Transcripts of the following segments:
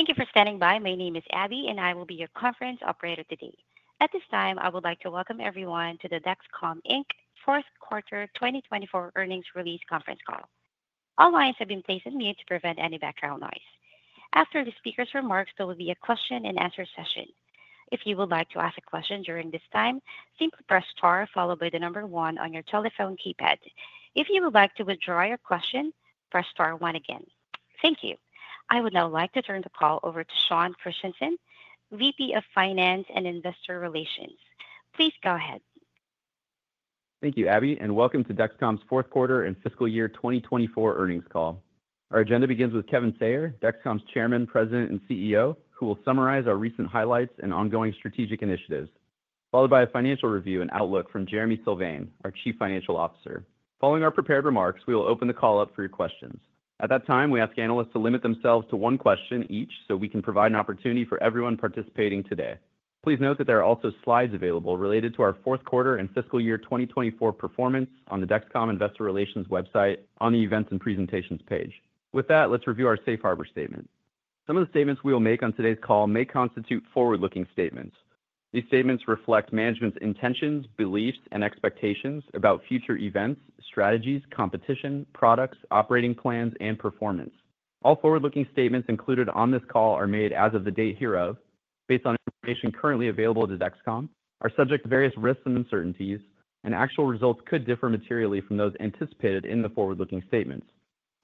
Thank you for standing by. My name is Abby, and I will be your Conference Operator today. At this time, I would like to welcome everyone to the DexCom, Inc. Fourth Quarter 2024 Earnings Release Conference Call. All lines have been placed on mute to prevent any background noise. After the speaker's remarks, there will be a question-and-answer session. If you would like to ask a question during this time, simply press star followed by the number one on your telephone keypad. If you would like to withdraw your question, press star one again. Thank you. I would now like to turn the call over to Sean Christensen, VP of Finance and Investor Relations. Please go ahead. Thank you, Abby, and welcome to DexCom's fourth quarter and fiscal year 2024 earnings call. Our agenda begins with Kevin Sayer, DexCom's Chairman, President, and CEO, who will summarize our recent highlights and ongoing strategic initiatives, followed by a financial review and outlook from Jereme Sylvain, our Chief Financial Officer. Following our prepared remarks, we will open the call up for your questions. At that time, we ask analysts to limit themselves to one question each so we can provide an opportunity for everyone participating today. Please note that there are also slides available related to our fourth quarter and fiscal year 2024 performance on the DexCom Investor Relations website on the Events and Presentations page. With that, let's review our Safe Harbor Statement. Some of the statements we will make on today's call may constitute forward-looking statements. These statements reflect management's intentions, beliefs, and expectations about future events, strategies, competition, products, operating plans, and performance. All forward-looking statements included on this call are made as of the date hereof based on information currently available to DexCom. Our results vary with risks and uncertainties, and actual results could differ materially from those anticipated in the forward-looking statements.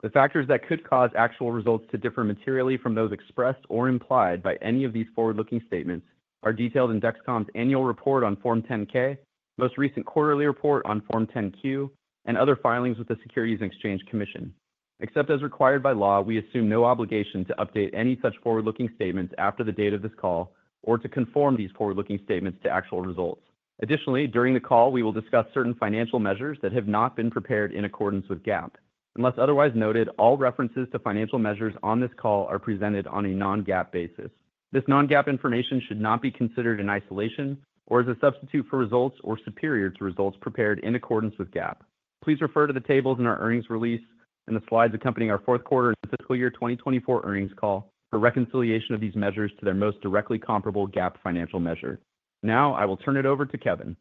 The factors that could cause actual results to differ materially from those expressed or implied by any of these forward-looking statements are detailed in DexCom's annual report on Form 10-K, most recent quarterly report on Form 10-Q, and other filings with the Securities and Exchange Commission. Except as required by law, we assume no obligation to update any such forward-looking statements after the date of this call or to conform these forward-looking statements to actual results. Additionally, during the call, we will discuss certain financial measures that have not been prepared in accordance with GAAP. Unless otherwise noted, all references to financial measures on this call are presented on a non-GAAP basis. This non-GAAP information should not be considered in isolation or as a substitute for results or superior to results prepared in accordance with GAAP. Please refer to the tables in our earnings release and the slides accompanying our fourth quarter and fiscal year 2024 earnings call for reconciliation of these measures to their most directly comparable GAAP financial measure. Now, I will turn it over to Kevin.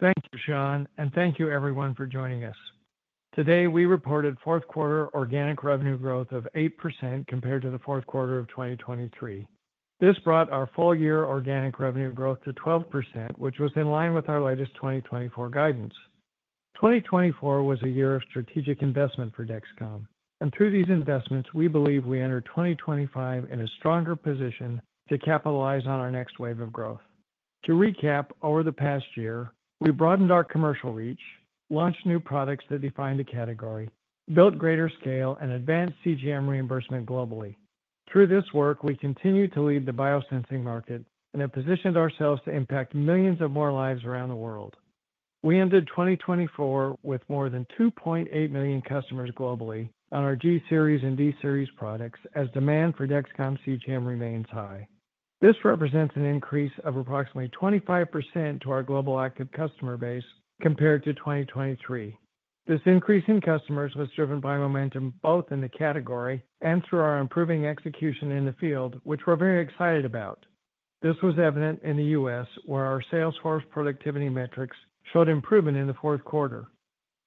Thank you, Sean, and thank you, everyone, for joining us. Today, we reported fourth quarter organic revenue growth of 8% compared to the fourth quarter of 2023. This brought our full-year organic revenue growth to 12%, which was in line with our latest 2024 guidance. 2024 was a year of strategic investment for DexCom, and through these investments, we believe we enter 2025 in a stronger position to capitalize on our next wave of growth. To recap, over the past year, we broadened our commercial reach, launched new products that define the category, built greater scale, and advanced CGM reimbursement globally. Through this work, we continue to lead the biosensing market and have positioned ourselves to impact millions of more lives around the world. We ended 2024 with more than 2.8 million customers globally on our G-series and D-series products as demand for Dexcom CGM remains high. This represents an increase of approximately 25% to our global active customer base compared to 2023. This increase in customers was driven by momentum both in the category and through our improving execution in the field, which we're very excited about. This was evident in the U.S., where our sales force productivity metrics showed improvement in the fourth quarter.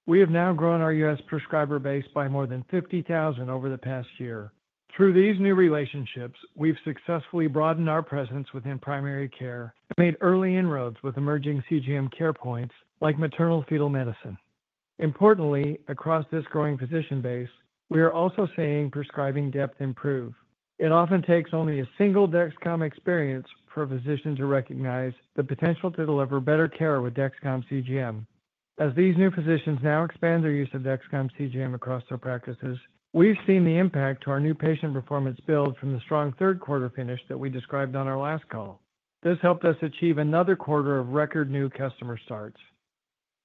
We have now grown our U.S. prescriber base by more than 50,000 over the past year. Through these new relationships, we've successfully broadened our presence within primary care and made early inroads with emerging CGM care points like maternal fetal medicine. Importantly, across this growing physician base, we are also seeing prescribing depth improve. It often takes only a single Dexcom experience for a physician to recognize the potential to deliver better care with Dexcom CGM. As these new physicians now expand their use of Dexcom CGM across their practices, we've seen the impact to our new patient performance build from the strong third quarter finish that we described on our last call. This helped us achieve another quarter of record new customer starts.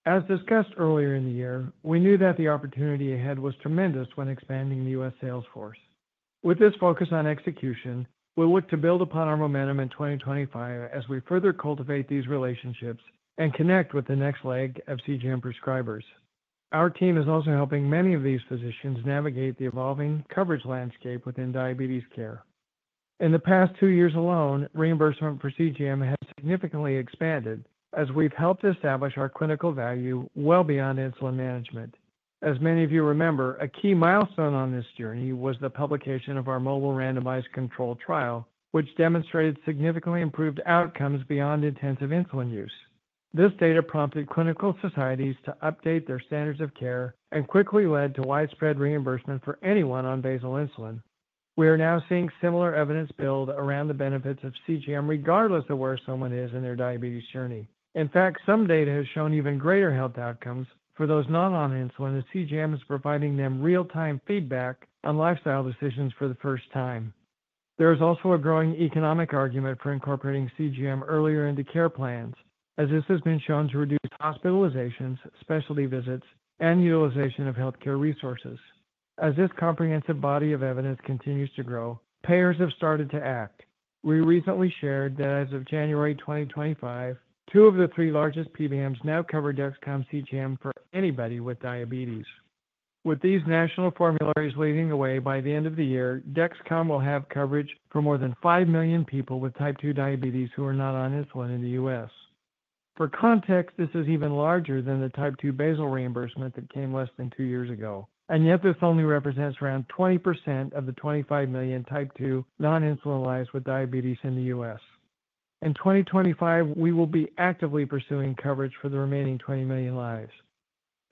As discussed earlier in the year, we knew that the opportunity ahead was tremendous when expanding the U.S. sales force. With this focus on execution, we'll look to build upon our momentum in 2025 as we further cultivate these relationships and connect with the next leg of CGM prescribers. Our team is also helping many of these physicians navigate the evolving coverage landscape within diabetes care. In the past two years alone, reimbursement for CGM has significantly expanded as we've helped establish our clinical value well beyond insulin management. As many of you remember, a key milestone on this journey was the publication of our MOBILE randomized controlled trial, which demonstrated significantly improved outcomes beyond intensive insulin use. This data prompted clinical societies to update their standards of care and quickly led to widespread reimbursement for anyone on basal insulin. We are now seeing similar evidence build around the benefits of CGM regardless of where someone is in their diabetes journey. In fact, some data has shown even greater health outcomes for those not on insulin as CGM is providing them real-time feedback on lifestyle decisions for the first time. There is also a growing economic argument for incorporating CGM earlier into care plans as this has been shown to reduce hospitalizations, specialty visits, and utilization of healthcare resources. As this comprehensive body of evidence continues to grow, payers have started to act. We recently shared that as of January 2025, two of the three largest PBMs now cover Dexcom CGM for anybody with diabetes. With these national formularies leading the way by the end of the year, Dexcom will have coverage for more than five million people with type 2 diabetes who are not on insulin in the U.S. For context, this is even larger than the type 2 basal reimbursement that came less than two years ago, and yet this only represents around 20% of the 25 million type 2 non-insulin lives with diabetes in the U.S. In 2025, we will be actively pursuing coverage for the remaining 20 million lives.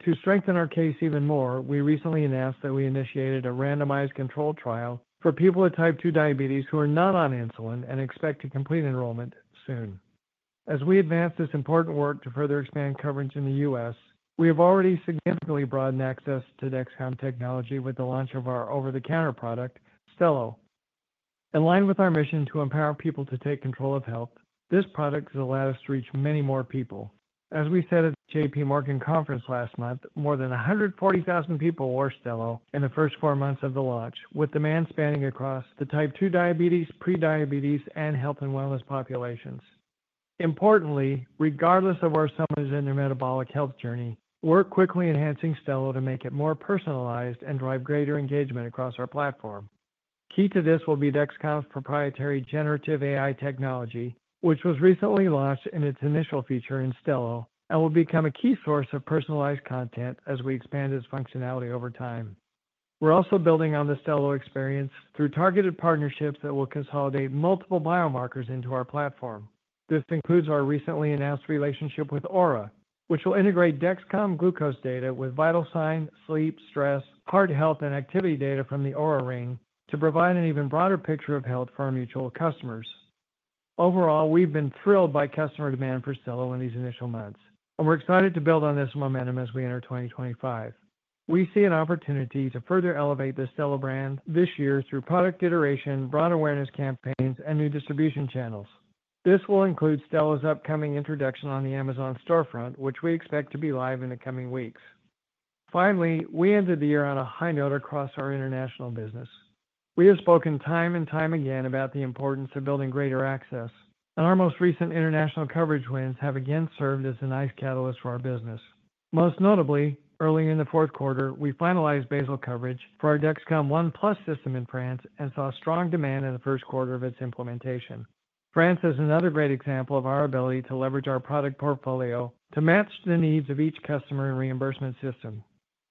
To strengthen our case even more, we recently announced that we initiated a randomized controlled trial for people with type 2 diabetes who are not on insulin and expect to complete enrollment soon. As we advance this important work to further expand coverage in the U.S., we have already significantly broadened access to Dexcom technology with the launch of our over-the-counter product, Stelo. In line with our mission to empower people to take control of health, this product is a lattice to reach many more people. As we said at the JPMorgan conference last month, more than 140,000 people wore Stelo in the first four months of the launch, with demand spanning across the type 2 diabetes, prediabetes, and health and wellness populations. Importantly, regardless of where someone is in their metabolic health journey, we're quickly enhancing Stelo to make it more personalized and drive greater engagement across our platform. Key to this will be Dexcom's proprietary generative AI technology, which was recently launched in its initial feature in Stelo and will become a key source of personalized content as we expand its functionality over time. We're also building on the Stelo experience through targeted partnerships that will consolidate multiple biomarkers into our platform. This includes our recently announced relationship with Oura, which will integrate Dexcom glucose data with vital signs, sleep, stress, heart health, and activity data from the Oura Ring to provide an even broader picture of health for our mutual customers. Overall, we've been thrilled by customer demand for Stelo in these initial months, and we're excited to build on this momentum as we enter 2025. We see an opportunity to further elevate the Stelo brand this year through product iteration, broad awareness campaigns, and new distribution channels. This will include Stelo's upcoming introduction on the Amazon storefront, which we expect to be live in the coming weeks. Finally, we ended the year on a high note across our international business. We have spoken time and time again about the importance of building greater access, and our most recent international coverage wins have again served as a nice catalyst for our business. Most notably, early in the fourth quarter, we finalized basal coverage for our Dexcom ONE+ system in France and saw strong demand in the first quarter of its implementation. France is another great example of our ability to leverage our product portfolio to match the needs of each customer and reimbursement system.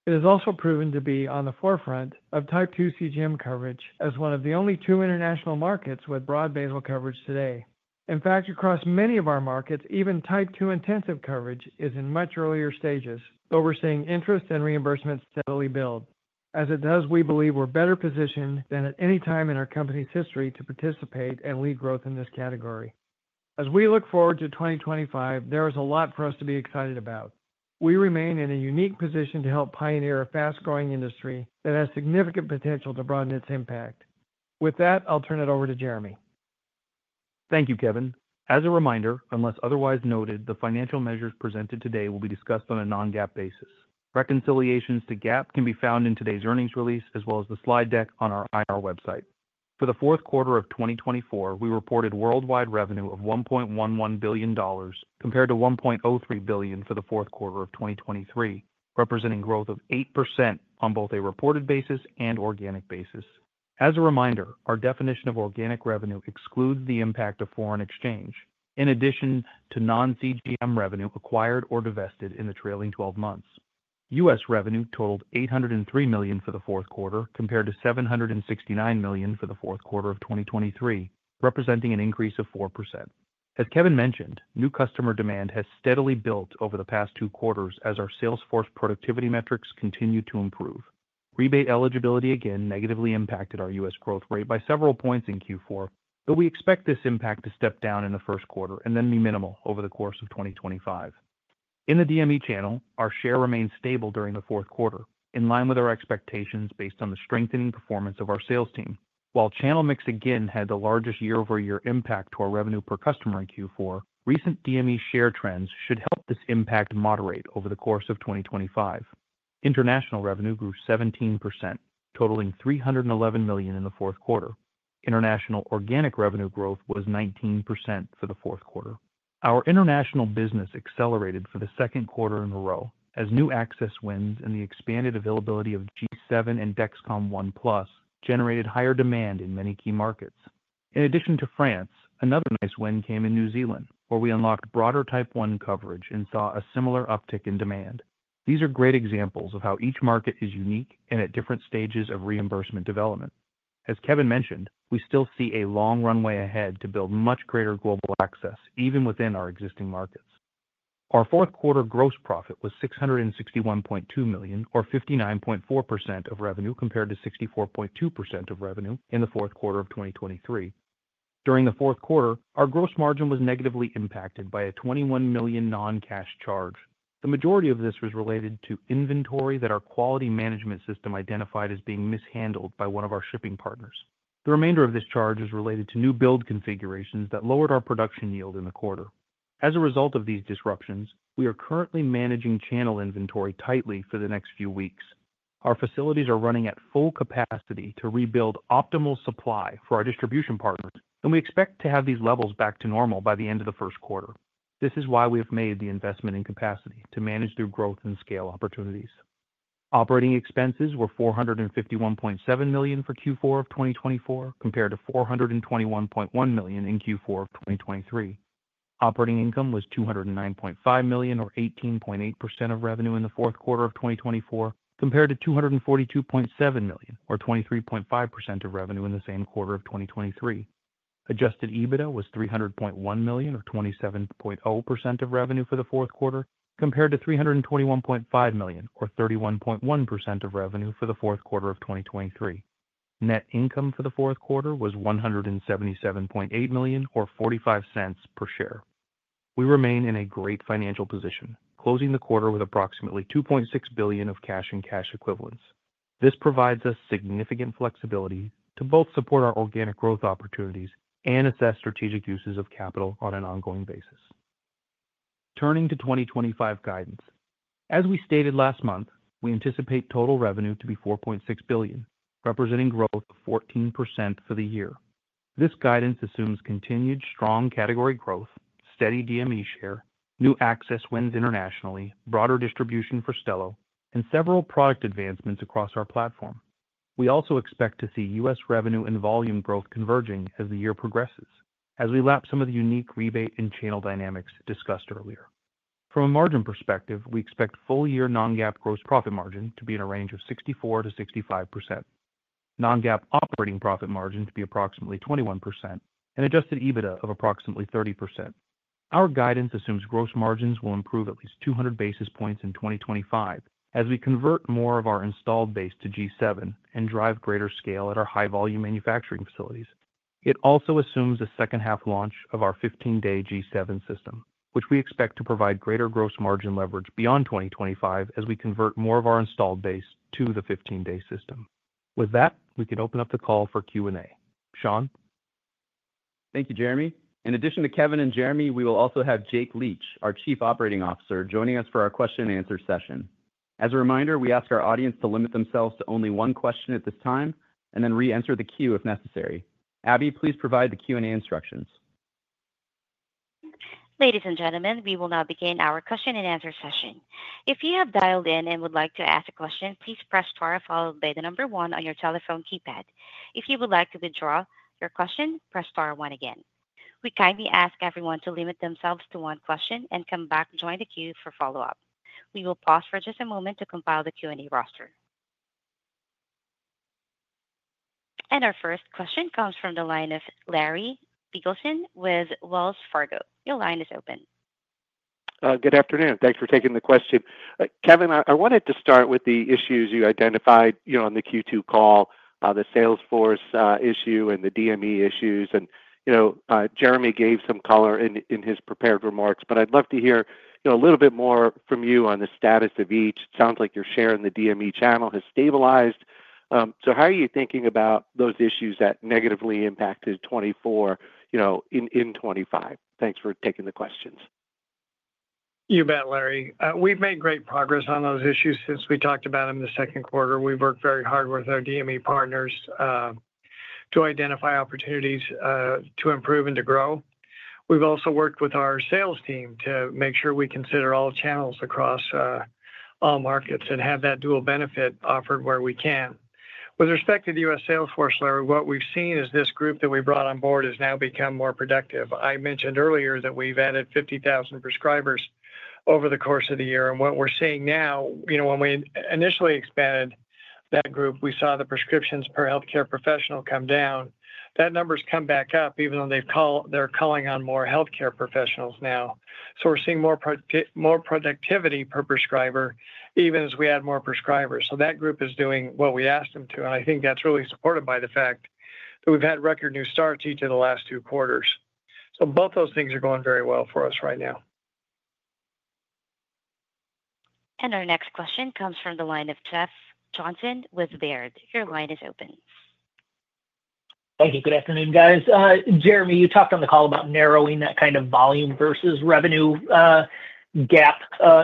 It has also proven to be on the forefront of type 2 CGM coverage as one of the only two international markets with broad basal coverage today. In fact, across many of our markets, even type 2 intensive coverage is in much earlier stages, though we're seeing interest and reimbursement steadily build. As it does, we believe we're better positioned than at any time in our company's history to participate and lead growth in this category. As we look forward to 2025, there is a lot for us to be excited about. We remain in a unique position to help pioneer a fast-growing industry that has significant potential to broaden its impact. With that, I'll turn it over to Jereme. Thank you, Kevin. As a reminder, unless otherwise noted, the financial measures presented today will be discussed on a non-GAAP basis. Reconciliations to GAAP can be found in today's earnings release as well as the slide deck on our IR website. For the fourth quarter of 2024, we reported worldwide revenue of $1.11 billion compared to $1.03 billion for the fourth quarter of 2023, representing growth of 8% on both a reported basis and organic basis. As a reminder, our definition of organic revenue excludes the impact of foreign exchange in addition to non-CGM revenue acquired or divested in the trailing 12 months. U.S. revenue totaled $803 million for the fourth quarter compared to $769 million for the fourth quarter of 2023, representing an increase of 4%. As Kevin mentioned, new customer demand has steadily built over the past two quarters as our sales force productivity metrics continue to improve. Rebate eligibility again negatively impacted our U.S. growth rate by several points in Q4, though we expect this impact to step down in the first quarter and then be minimal over the course of 2025. In the DME channel, our share remained stable during the fourth quarter in line with our expectations based on the strengthening performance of our sales team. While channel mix again had the largest year-over-year impact to our revenue per customer in Q4, recent DME share trends should help this impact moderate over the course of 2025. International revenue grew 17%, totaling $311 million in the fourth quarter. International organic revenue growth was 19% for the fourth quarter. Our international business accelerated for the second quarter in a row as new access wins and the expanded availability of G7 and Dexcom ONE+ generated higher demand in many key markets. In addition to France, another nice win came in New Zealand, where we unlocked broader type 1 coverage and saw a similar uptick in demand. These are great examples of how each market is unique and at different stages of reimbursement development. As Kevin mentioned, we still see a long runway ahead to build much greater global access even within our existing markets. Our fourth quarter gross profit was $661.2 million, or 59.4% of revenue compared to 64.2% of revenue in the fourth quarter of 2023. During the fourth quarter, our gross margin was negatively impacted by a $21 million non-cash charge. The majority of this was related to inventory that our quality management system identified as being mishandled by one of our shipping partners. The remainder of this charge is related to new build configurations that lowered our production yield in the quarter. As a result of these disruptions, we are currently managing channel inventory tightly for the next few weeks. Our facilities are running at full capacity to rebuild optimal supply for our distribution partners, and we expect to have these levels back to normal by the end of the first quarter. This is why we have made the investment in capacity to manage their growth and scale opportunities. Operating expenses were $451.7 million for Q4 of 2024 compared to $421.1 million in Q4 of 2023. Operating income was $209.5 million, or 18.8% of revenue in the fourth quarter of 2024, compared to $242.7 million, or 23.5% of revenue in the same quarter of 2023. Adjusted EBITDA was $300.1 million, or 27.0% of revenue for the fourth quarter, compared to $321.5 million, or 31.1% of revenue for the fourth quarter of 2023. Net income for the fourth quarter was $177.8 million, or $0.45 per share. We remain in a great financial position, closing the quarter with approximately $2.6 billion of cash and cash equivalents. This provides us significant flexibility to both support our organic growth opportunities and assess strategic uses of capital on an ongoing basis. Turning to 2025 guidance, as we stated last month, we anticipate total revenue to be $4.6 billion, representing growth of 14% for the year. This guidance assumes continued strong category growth, steady DME share, new access wins internationally, broader distribution for Stelo, and several product advancements across our platform. We also expect to see U.S. revenue and volume growth converging as the year progresses, as we lapse some of the unique rebate and channel dynamics discussed earlier. From a margin perspective, we expect full-year non-GAAP gross profit margin to be in a range of 64% to 65%, non-GAAP operating profit margin to be approximately 21%, and adjusted EBITDA of approximately 30%. Our guidance assumes gross margins will improve at least 200 basis points in 2025 as we convert more of our installed base to G7 and drive greater scale at our high-volume manufacturing facilities. It also assumes a second-half launch of our 15 Day G7 system, which we expect to provide greater gross margin leverage beyond 2025 as we convert more of our installed base to the 15 Day system. With that, we can open up the call for Q&A. Sean? Thank you, Jereme. In addition to Kevin and Jereme, we will also have Jake Leach, our Chief Operating Officer, joining us for our question-and-answer session. As a reminder, we ask our audience to limit themselves to only one question at this time and then re-enter the queue if necessary. Abby, please provide the Q&A instructions. Ladies and gentlemen, we will now begin our question-and-answer session. If you have dialed in and would like to ask a question, please press star followed by the number one on your telephone keypad. If you would like to withdraw your question, press star one again. We kindly ask everyone to limit themselves to one question and come back, join the queue for follow-up. We will pause for just a moment to compile the Q&A roster, and our first question comes from the line of Larry Biegelsen with Wells Fargo. Your line is open. Good afternoon. Thanks for taking the question. Kevin, I wanted to start with the issues you identified on the Q2 call, the sales force issue and the DME issues, and Jereme gave some color in his prepared remarks, but I'd love to hear a little bit more from you on the status of each. It sounds like you're sharing the DME channel has stabilized, so how are you thinking about those issues that negatively impacted 2024 in 2025? Thanks for taking the questions. You bet, Larry. We've made great progress on those issues since we talked about them in the second quarter. We've worked very hard with our DME partners to identify opportunities to improve and to grow. We've also worked with our sales team to make sure we consider all channels across all markets and have that dual benefit offered where we can. With respect to the U.S. sales force, Larry, what we've seen is this group that we brought on board has now become more productive. I mentioned earlier that we've added 50,000 prescribers over the course of the year, and what we're seeing now, when we initially expanded that group, we saw the prescriptions per healthcare professional come down. That number's come back up even though they're calling on more healthcare professionals now, so we're seeing more productivity per prescriber even as we add more prescribers. So that group is doing what we asked them to, and I think that's really supported by the fact that we've had record new starts each of the last two quarters. So both those things are going very well for us right now. And our next question comes from the line of Jeff Johnson with Baird. Your line is open. Thank you. Good afternoon, guys. Jereme, you talked on the call about narrowing that kind of volume versus revenue gap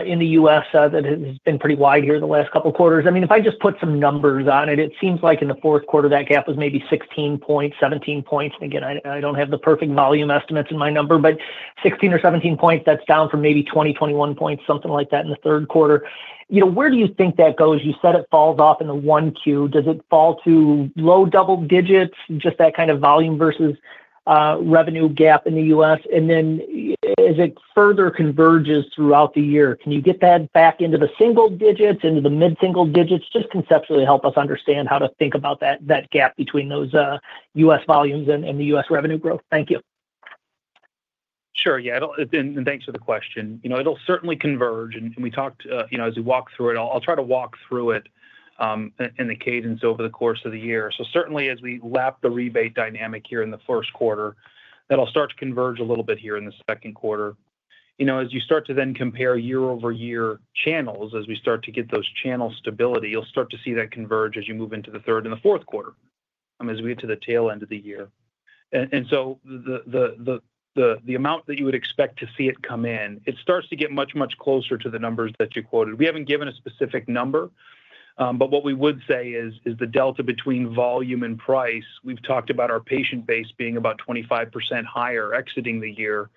in the U.S. that has been pretty wide here in the last couple of quarters. I mean, if I just put some numbers on it, it seems like in the fourth quarter that gap was maybe 16 points, 17 points. And again, I don't have the perfect volume estimates in my number, but 16 or 17 points, that's down from maybe 20, 21 points, something like that in the third quarter. Where do you think that goes? You said it falls off in the 1-. Does it fall to low double digits, just that kind of volume versus revenue gap in the U.S.? As it further converges throughout the year, can you get that back into the single digits, into the mid-single digits, just conceptually help us understand how to think about that gap between those U.S. volumes and the U.S. revenue growth? Thank you. Sure. Yeah. And thanks for the question. It'll certainly converge. And we talked as we walk through it, I'll try to walk through it in the cadence over the course of the year. So certainly, as we lap the rebate dynamic here in the first quarter, that'll start to converge a little bit here in the second quarter. As you start to then compare year-over-year channels, as we start to get those channel stability, you'll start to see that converge as you move into the third and the fourth quarter as we get to the tail end of the year. And so the amount that you would expect to see it come in, it starts to get much, much closer to the numbers that you quoted. We haven't given a specific number, but what we would say is the delta between volume and price. We've talked about our patient base being about 25% higher exiting the year.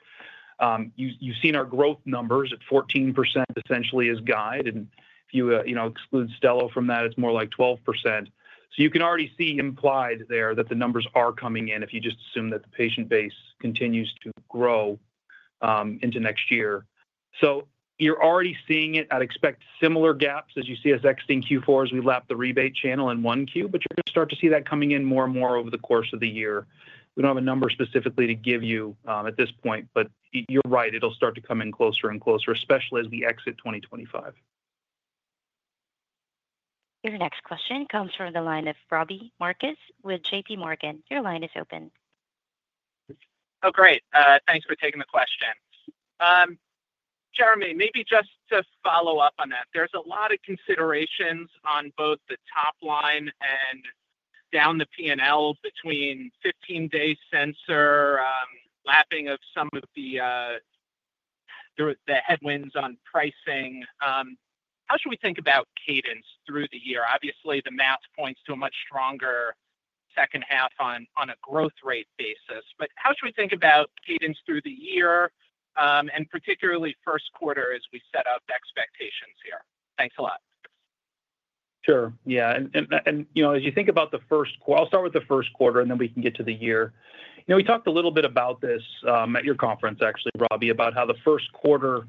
You've seen our growth numbers at 14% essentially as guide. And if you exclude Stelo from that, it's more like 12%. So you can already see implied there that the numbers are coming in if you just assume that the patient base continues to grow into next year. So you're already seeing it. I'd expect similar gaps as you see us exiting Q4 as we lap the rebate channel in 1Q, but you're going to start to see that coming in more and more over the course of the year. We don't have a number specifically to give you at this point, but you're right. It'll start to come in closer and closer, especially as we exit 2025. Your next question comes from the line of Robbie Marcus with JPMorgan. Your line is open. Oh, great. Thanks for taking the question. Jereme, maybe just to follow up on that, there's a lot of considerations on both the top line and down the P&L between 15 Day sensor, lapping of some of the headwinds on pricing. How should we think about cadence through the year? Obviously, the math points to a much stronger second half on a growth rate basis, but how should we think about cadence through the year and particularly first quarter as we set up expectations here? Thanks a lot. Sure. Yeah. And as you think about the first quarter, I'll start with the first quarter, and then we can get to the year. We talked a little bit about this at your conference, actually, Robbie, about how the first quarter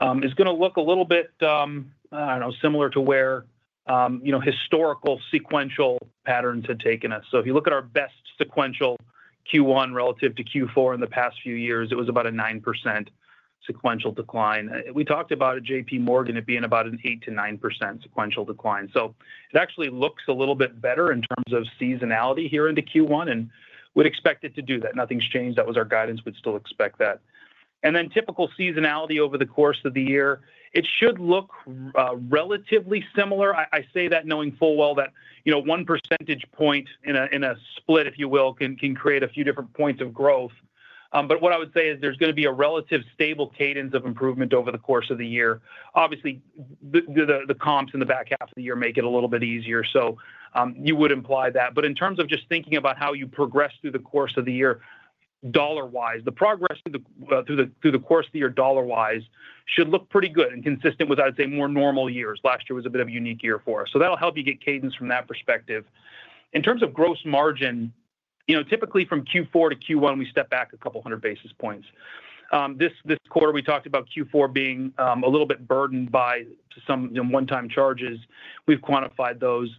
is going to look a little bit, I don't know, similar to where historical sequential patterns had taken us. So if you look at our best sequential Q1 relative to Q4 in the past few years, it was about a 9% sequential decline. We talked about JPMorgan it being about an 8%-9% sequential decline. So it actually looks a little bit better in terms of seasonality here into Q1, and we'd expect it to do that. Nothing's changed. That was our guidance. We'd still expect that. And then typical seasonality over the course of the year, it should look relatively similar. I say that knowing full well that one percentage point in a split, if you will, can create a few different points of growth. But what I would say is there's going to be a relatively stable cadence of improvement over the course of the year. Obviously, the comps in the back half of the year make it a little bit easier, so you would imply that. But in terms of just thinking about how you progress through the course of the year, dollar-wise, the progress through the course of the year dollar-wise should look pretty good and consistent with, I'd say, more normal years. Last year was a bit of a unique year for us. So that'll help you get cadence from that perspective. In terms of gross margin, typically from Q4 to Q1, we step back a couple hundred basis points. This quarter, we talked about Q4 being a little bit burdened by some one-time charges. We've quantified those.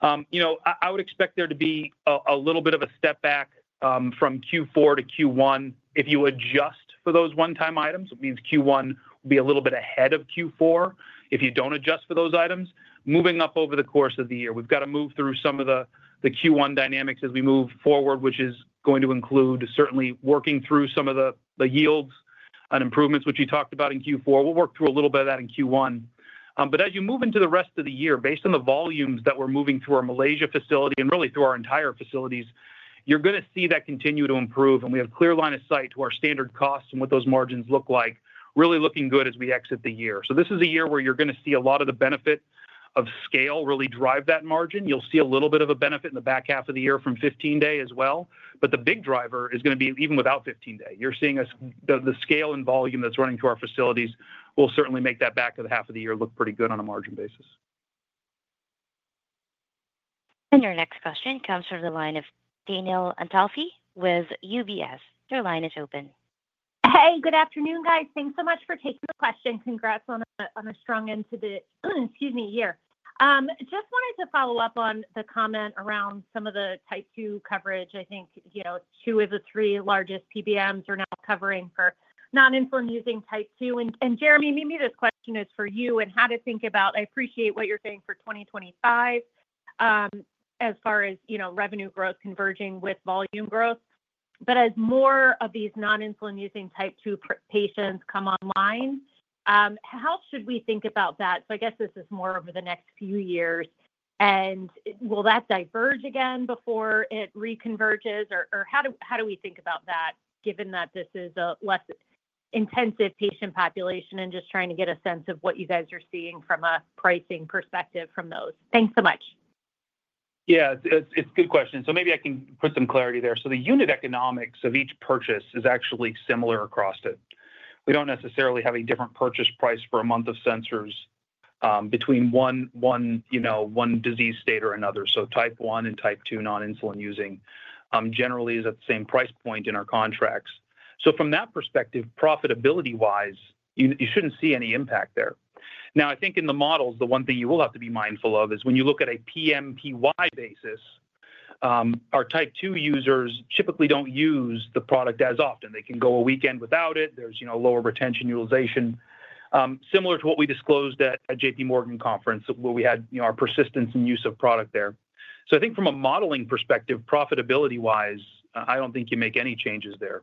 I would expect there to be a little bit of a step back from Q4 to Q1 if you adjust for those one-time items. It means Q1 will be a little bit ahead of Q4 if you don't adjust for those items. Moving up over the course of the year, we've got to move through some of the Q1 dynamics as we move forward, which is going to include certainly working through some of the yields and improvements, which you talked about in Q4. We'll work through a little bit of that in Q1. But as you move into the rest of the year, based on the volumes that we're moving through our Malaysia facility and really through our entire facilities, you're going to see that continue to improve. We have a clear line of sight to our standard costs and what those margins look like, really looking good as we exit the year. This is a year where you're going to see a lot of the benefit of scale really drive that margin. You'll see a little bit of a benefit in the back half of the year from 15 Day as well. The big driver is going to be even without 15 Day. You're seeing the scale and volume that's running through our facilities will certainly make that back half of the year look pretty good on a margin basis. And your next question comes from the line of Danielle Antalffy with UBS. Your line is open. Hey, good afternoon, guys. Thanks so much for taking the question. Congrats on a strong end to the, excuse me, year. Just wanted to follow up on the comment around some of the type 2 coverage. I think two of the three largest PBMs are now covering for non-insulin using type 2. And Jereme, maybe this question is for you and how to think about, I appreciate what you're saying for 2025 as far as revenue growth converging with volume growth. But as more of these non-insulin using type 2 patients come online, how should we think about that? So I guess this is more over the next few years. Will that diverge again before it reconverges, or how do we think about that given that this is a less intensive patient population and just trying to get a sense of what you guys are seeing from a pricing perspective from those? Thanks so much. Yeah, it's a good question. So maybe I can put some clarity there. So the unit economics of each purchase is actually similar across it. We don't necessarily have a different purchase price for a month of sensors between one disease state or another. So type 1 and type 2 non-insulin using generally is at the same price point in our contracts. So from that perspective, profitability-wise, you shouldn't see any impact there. Now, I think in the models, the one thing you will have to be mindful of is when you look at a PMPY basis, our type 2 users typically don't use the product as often. They can go a weekend without it. There's lower retention utilization, similar to what we disclosed at JPMorgan conference where we had our persistence and use of product there. So I think from a modeling perspective, profitability-wise, I don't think you make any changes there.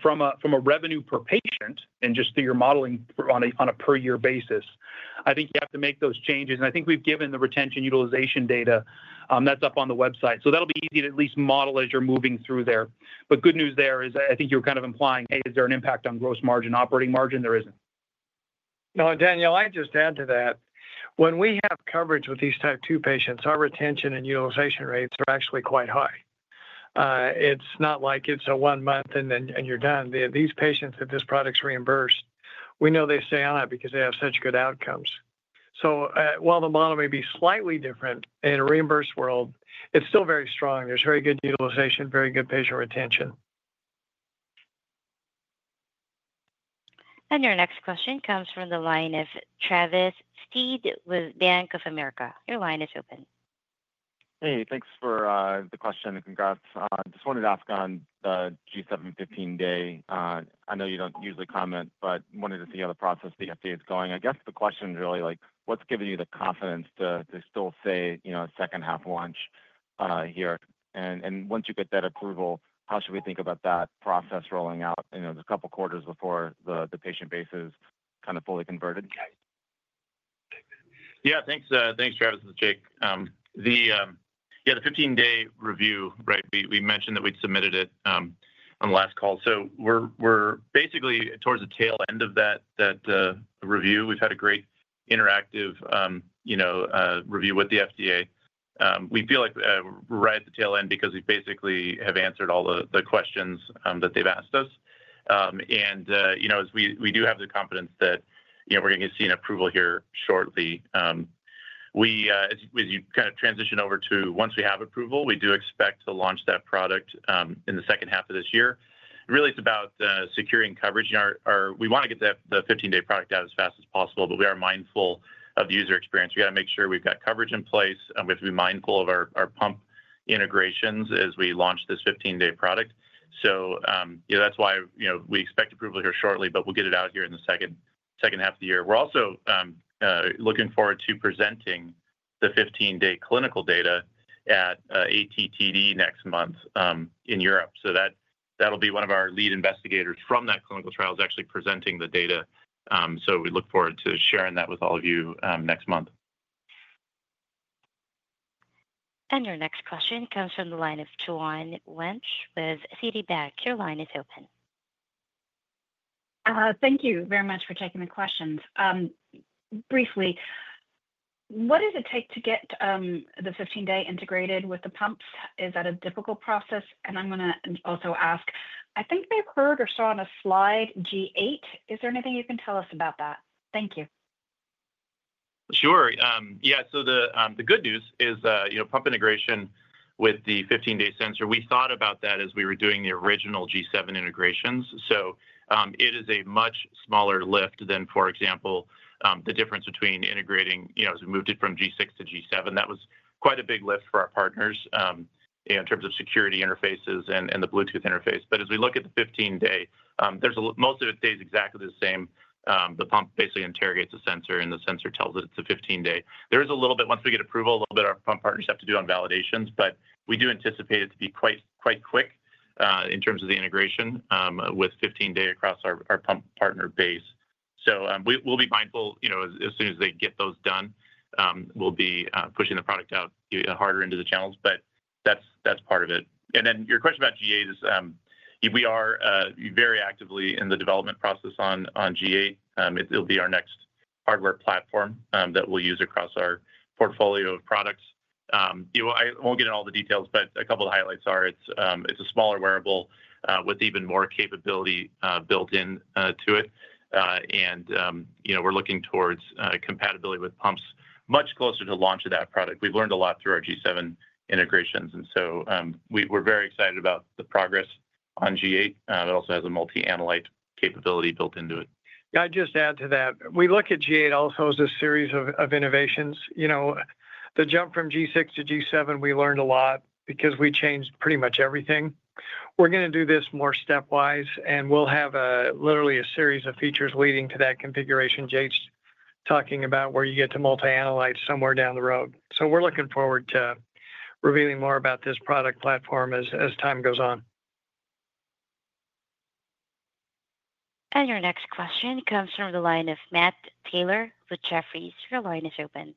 From a revenue per patient and just through your modeling on a per-year basis, I think you have to make those changes. And I think we've given the retention utilization data that's up on the website. So that'll be easy to at least model as you're moving through there. But good news there is I think you're kind of implying, hey, is there an impact on gross margin, operating margin? There isn't. No, Danielle, I just add to that. When we have coverage with these type 2 patients, our retention and utilization rates are actually quite high. It's not like it's a one-month and you're done. These patients that this product's reimbursed, we know they stay on it because they have such good outcomes. So while the model may be slightly different in a reimbursed world, it's still very strong. There's very good utilization, very good patient retention. Your next question comes from the line of Travis Steed with Bank of America. Your line is open. Hey, thanks for the question. Congrats. Just wanted to ask on the G7 15 Day. I know you don't usually comment, but wanted to see how the process of the FDA is going. I guess the question is really like, what's giving you the confidence to still say a second half launch here? And once you get that approval, how should we think about that process rolling out in a couple of quarters before the patient base is kind of fully converted? Yeah, thanks, Travis. This is Jake. Yeah, the 15 Day review, right? We mentioned that we'd submitted it on the last call. So we're basically towards the tail end of that review. We've had a great interactive review with the FDA. We feel like we're right at the tail end because we basically have answered all the questions that they've asked us, and we do have the confidence that we're going to see an approval here shortly. As you kind of transition over to once we have approval, we do expect to launch that product in the second half of this year. Really, it's about securing coverage. We want to get the 15 Day product out as fast as possible, but we are mindful of the user experience. We got to make sure we've got coverage in place. We have to be mindful of our pump integrations as we launch this 15 Day product, so that's why we expect approval here shortly, but we'll get it out here in the second half of the year. We're also looking forward to presenting the 15 Day clinical data at ATTD next month in Europe, so that'll be one of our lead investigators from that clinical trial is actually presenting the data, so we look forward to sharing that with all of you next month. Your next question comes from the line of Joanne Wuensch with Citibank. Your line is open. Thank you very much for taking the questions. Briefly, what does it take to get the 15 Day integrated with the pumps? Is that a difficult process? And I'm going to also ask, I think they've heard or saw on a slide G8. Is there anything you can tell us about that? Thank you. Sure. Yeah. So the good news is pump integration with the 15 Day sensor. We thought about that as we were doing the original G7 integrations. So it is a much smaller lift than, for example, the difference between integrating as we moved it from G6 to G7. That was quite a big lift for our partners in terms of security interfaces and the bluetooth interface. But as we look at the 15 Day, most of it stays exactly the same. The pump basically interrogates the sensor, and the sensor tells it it's a 15 Day. There is a little bit, once we get approval, a little bit our pump partners have to do on validations, but we do anticipate it to be quite quick in terms of the integration with 15 Day across our pump partner base. So we'll be mindful as soon as they get those done. We'll be pushing the product out harder into the channels, but that's part of it, and then your question about G8 is we are very actively in the development process on G8. It'll be our next hardware platform that we'll use across our portfolio of products. I won't get into all the details, but a couple of highlights are, it's a smaller wearable with even more capability built into it, and we're looking towards compatibility with pumps much closer to launch of that product. We've learned a lot through our G7 integrations, and so we're very excited about the progress on G8. It also has a multi-analyte capability built into it. Yeah, I'd just add to that. We look at G8 also as a series of innovations. The jump from G6 to G7, we learned a lot because we changed pretty much everything. We're going to do this more stepwise, and we'll have literally a series of features leading to that configuration, Jake's talking about where you get to multi-analyte somewhere down the road. So we're looking forward to revealing more about this product platform as time goes on. And your next question comes from the line of Matt Taylor with Jefferies. Your line is open.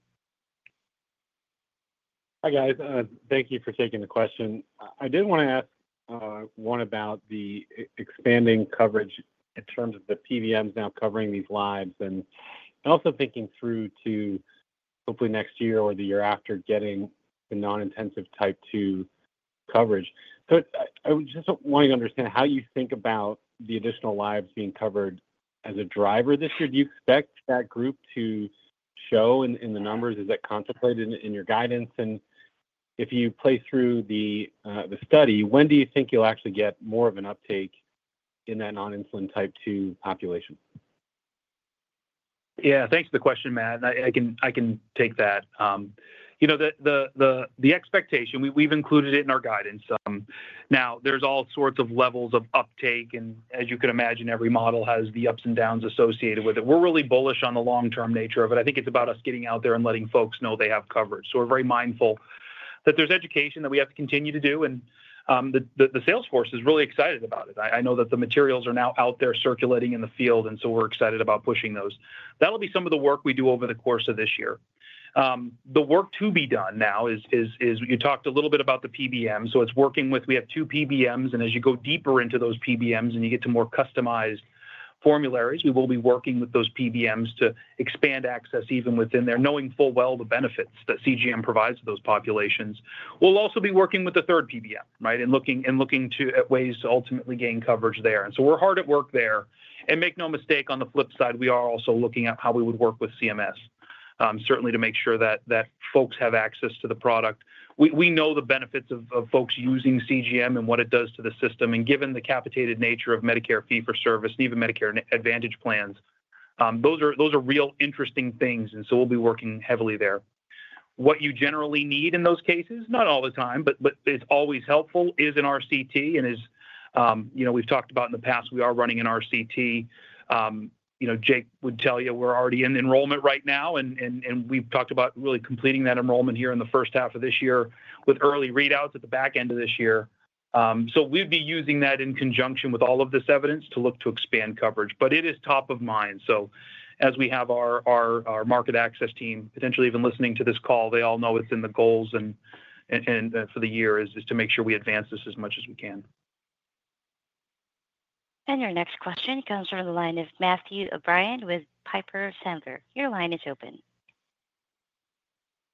Hi, guys. Thank you for taking the question. I did want to ask one about the expanding coverage in terms of the PBMs now covering these lives and also thinking through to hopefully next year or the year after getting the non-intensive type 2 coverage. So I just want to understand how you think about the additional lives being covered as a driver this year. Do you expect that group to show in the numbers? Is that contemplated in your guidance? And if you play through the study, when do you think you'll actually get more of an uptake in that non-insulin type 2 population? Yeah, thanks for the question, Matt. I can take that. The expectation, we've included it in our guidance. Now, there's all sorts of levels of uptake, and as you can imagine, every model has the ups and downs associated with it. We're really bullish on the long-term nature of it. I think it's about us getting out there and letting folks know they have coverage. So we're very mindful that there's education that we have to continue to do, and the sales force is really excited about it. I know that the materials are now out there circulating in the field, and so we're excited about pushing those. That'll be some of the work we do over the course of this year. The work to be done now is, you talked a little bit about the PBM, so it's working with we have two PBMs, and as you go deeper into those PBMs and you get to more customized formularies, we will be working with those PBMs to expand access even within there, knowing full well the benefits that CGM provides to those populations. We'll also be working with the third PBM, right, and looking at ways to ultimately gain coverage there, and so we're hard at work there, and make no mistake, on the flip side, we are also looking at how we would work with CMS, certainly to make sure that folks have access to the product. We know the benefits of folks using CGM and what it does to the system. And given the capitated nature of Medicare Fee-for-Service and even Medicare Advantage plans, those are real interesting things, and so we'll be working heavily there. What you generally need in those cases, not all the time, but it's always helpful, is an RCT, and as we've talked about in the past, we are running an RCT. Jake would tell you we're already in enrollment right now, and we've talked about really completing that enrollment here in the first half of this year with early readouts at the back end of this year. So we'd be using that in conjunction with all of this evidence to look to expand coverage, but it is top of mind. So as we have our market access team, potentially even listening to this call, they all know it's in the goals for the year is to make sure we advance this as much as we can. And your next question comes from the line of Matthew O'Brien with Piper Sandler. Your line is open.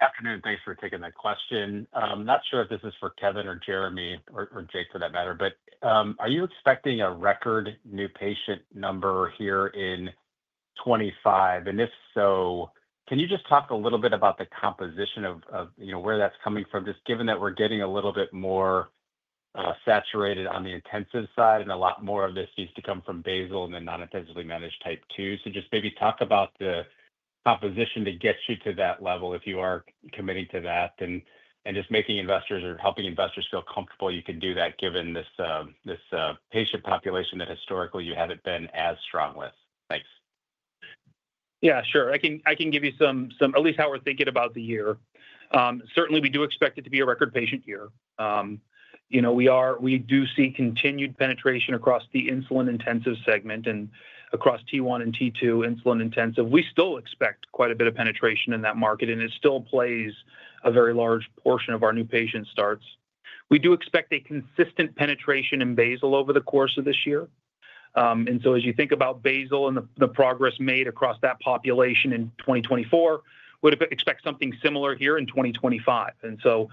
Afternoon. Thanks for taking that question. I'm not sure if this is for Kevin or Jereme or Jake for that matter, but are you expecting a record new patient number here in 2025? And if so, can you just talk a little bit about the composition of where that's coming from, just given that we're getting a little bit more saturated on the intensive side and a lot more of this needs to come from basal and then non-intensively managed type 2? So just maybe talk about the composition to get you to that level if you are committing to that and just making investors or helping investors feel comfortable you can do that given this patient population that historically you haven't been as strong with. Thanks. Yeah, sure. I can give you some, at least how we're thinking about the year. Certainly, we do expect it to be a record patient year. We do see continued penetration across the insulin-intensive segment and across T1 and T2 insulin-intensive. We still expect quite a bit of penetration in that market, and it still plays a very large portion of our new patient starts. We do expect a consistent penetration in basal over the course of this year. And so as you think about basal and the progress made across that population in 2024, we would expect something similar here in 2025. And so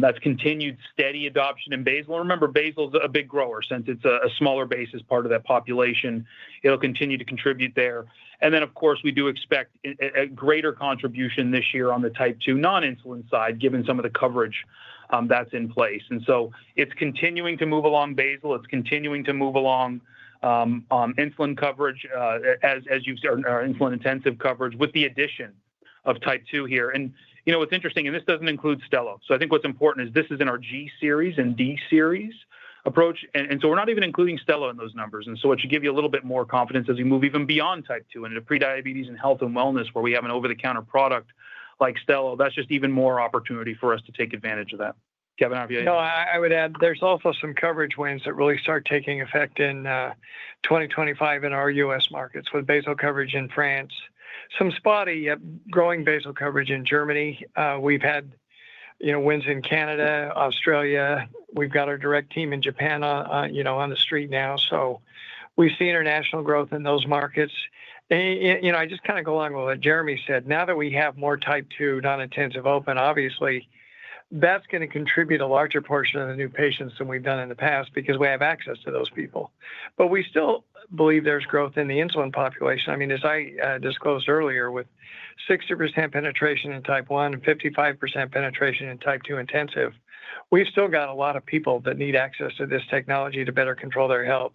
that's continued steady adoption in basal. And remember, basal is a big grower. Since it's a smaller basis part of that population, it'll continue to contribute there. And then, of course, we do expect a greater contribution this year on the type 2 non-insulin side given some of the coverage that's in place. And so it's continuing to move along basal. It's continuing to move along insulin coverage as you've seen our insulin-intensive coverage with the addition of type 2 here. And what's interesting, and this doesn't include Stelo. So I think what's important is this is in our G-series and D-series approach. And so we're not even including Stelo in those numbers. And so it should give you a little bit more confidence as we move even beyond type 2 and in prediabetes and health and wellness where we have an over-the-counter product like Stelo. That's just even more opportunity for us to take advantage of that. Kevin, are you? No, I would add there's also some coverage wins that really start taking effect in 2025 in our U.S. markets with basal coverage in France, some spotty yet growing basal coverage in Germany. We've had wins in Canada, Australia. We've got our direct team in Japan on the street now. So we've seen international growth in those markets. I just kind of go along with what Jereme said. Now that we have more type 2 non-intensive open, obviously, that's going to contribute a larger portion of the new patients than we've done in the past because we have access to those people. But we still believe there's growth in the insulin population. I mean, as I disclosed earlier, with 60% penetration in type 1 and 55% penetration in type 2 intensive, we've still got a lot of people that need access to this technology to better control their health.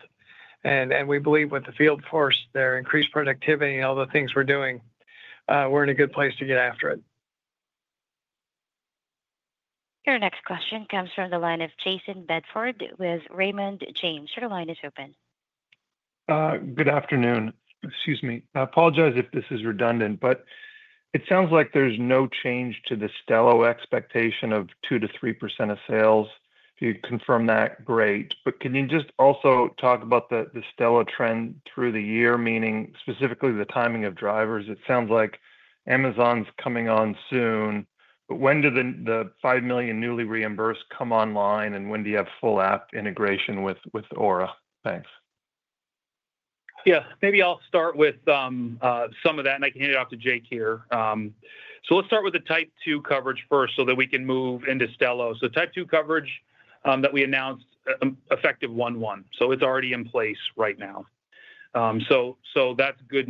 We believe with the field force, their increased productivity, and all the things we're doing, we're in a good place to get after it. Your next question comes from the line of Jayson Bedford with Raymond James. Your line is open. Good afternoon. Excuse me. I apologize if this is redundant, but it sounds like there's no change to the Stelo expectation of 2%-3% of sales. If you could confirm that, great. But can you just also talk about the Stelo trend through the year, meaning specifically the timing of drivers? It sounds like Amazon's coming on soon, but when do the 5 million newly reimbursed come online, and when do you have full app integration with Oura? Thanks. Yeah, maybe I'll start with some of that, and I can hand it off to Jake here, so let's start with the type 2 coverage first so that we can move into Stelo, so type 2 coverage that we announced effective one-one. It's already in place right now. That's good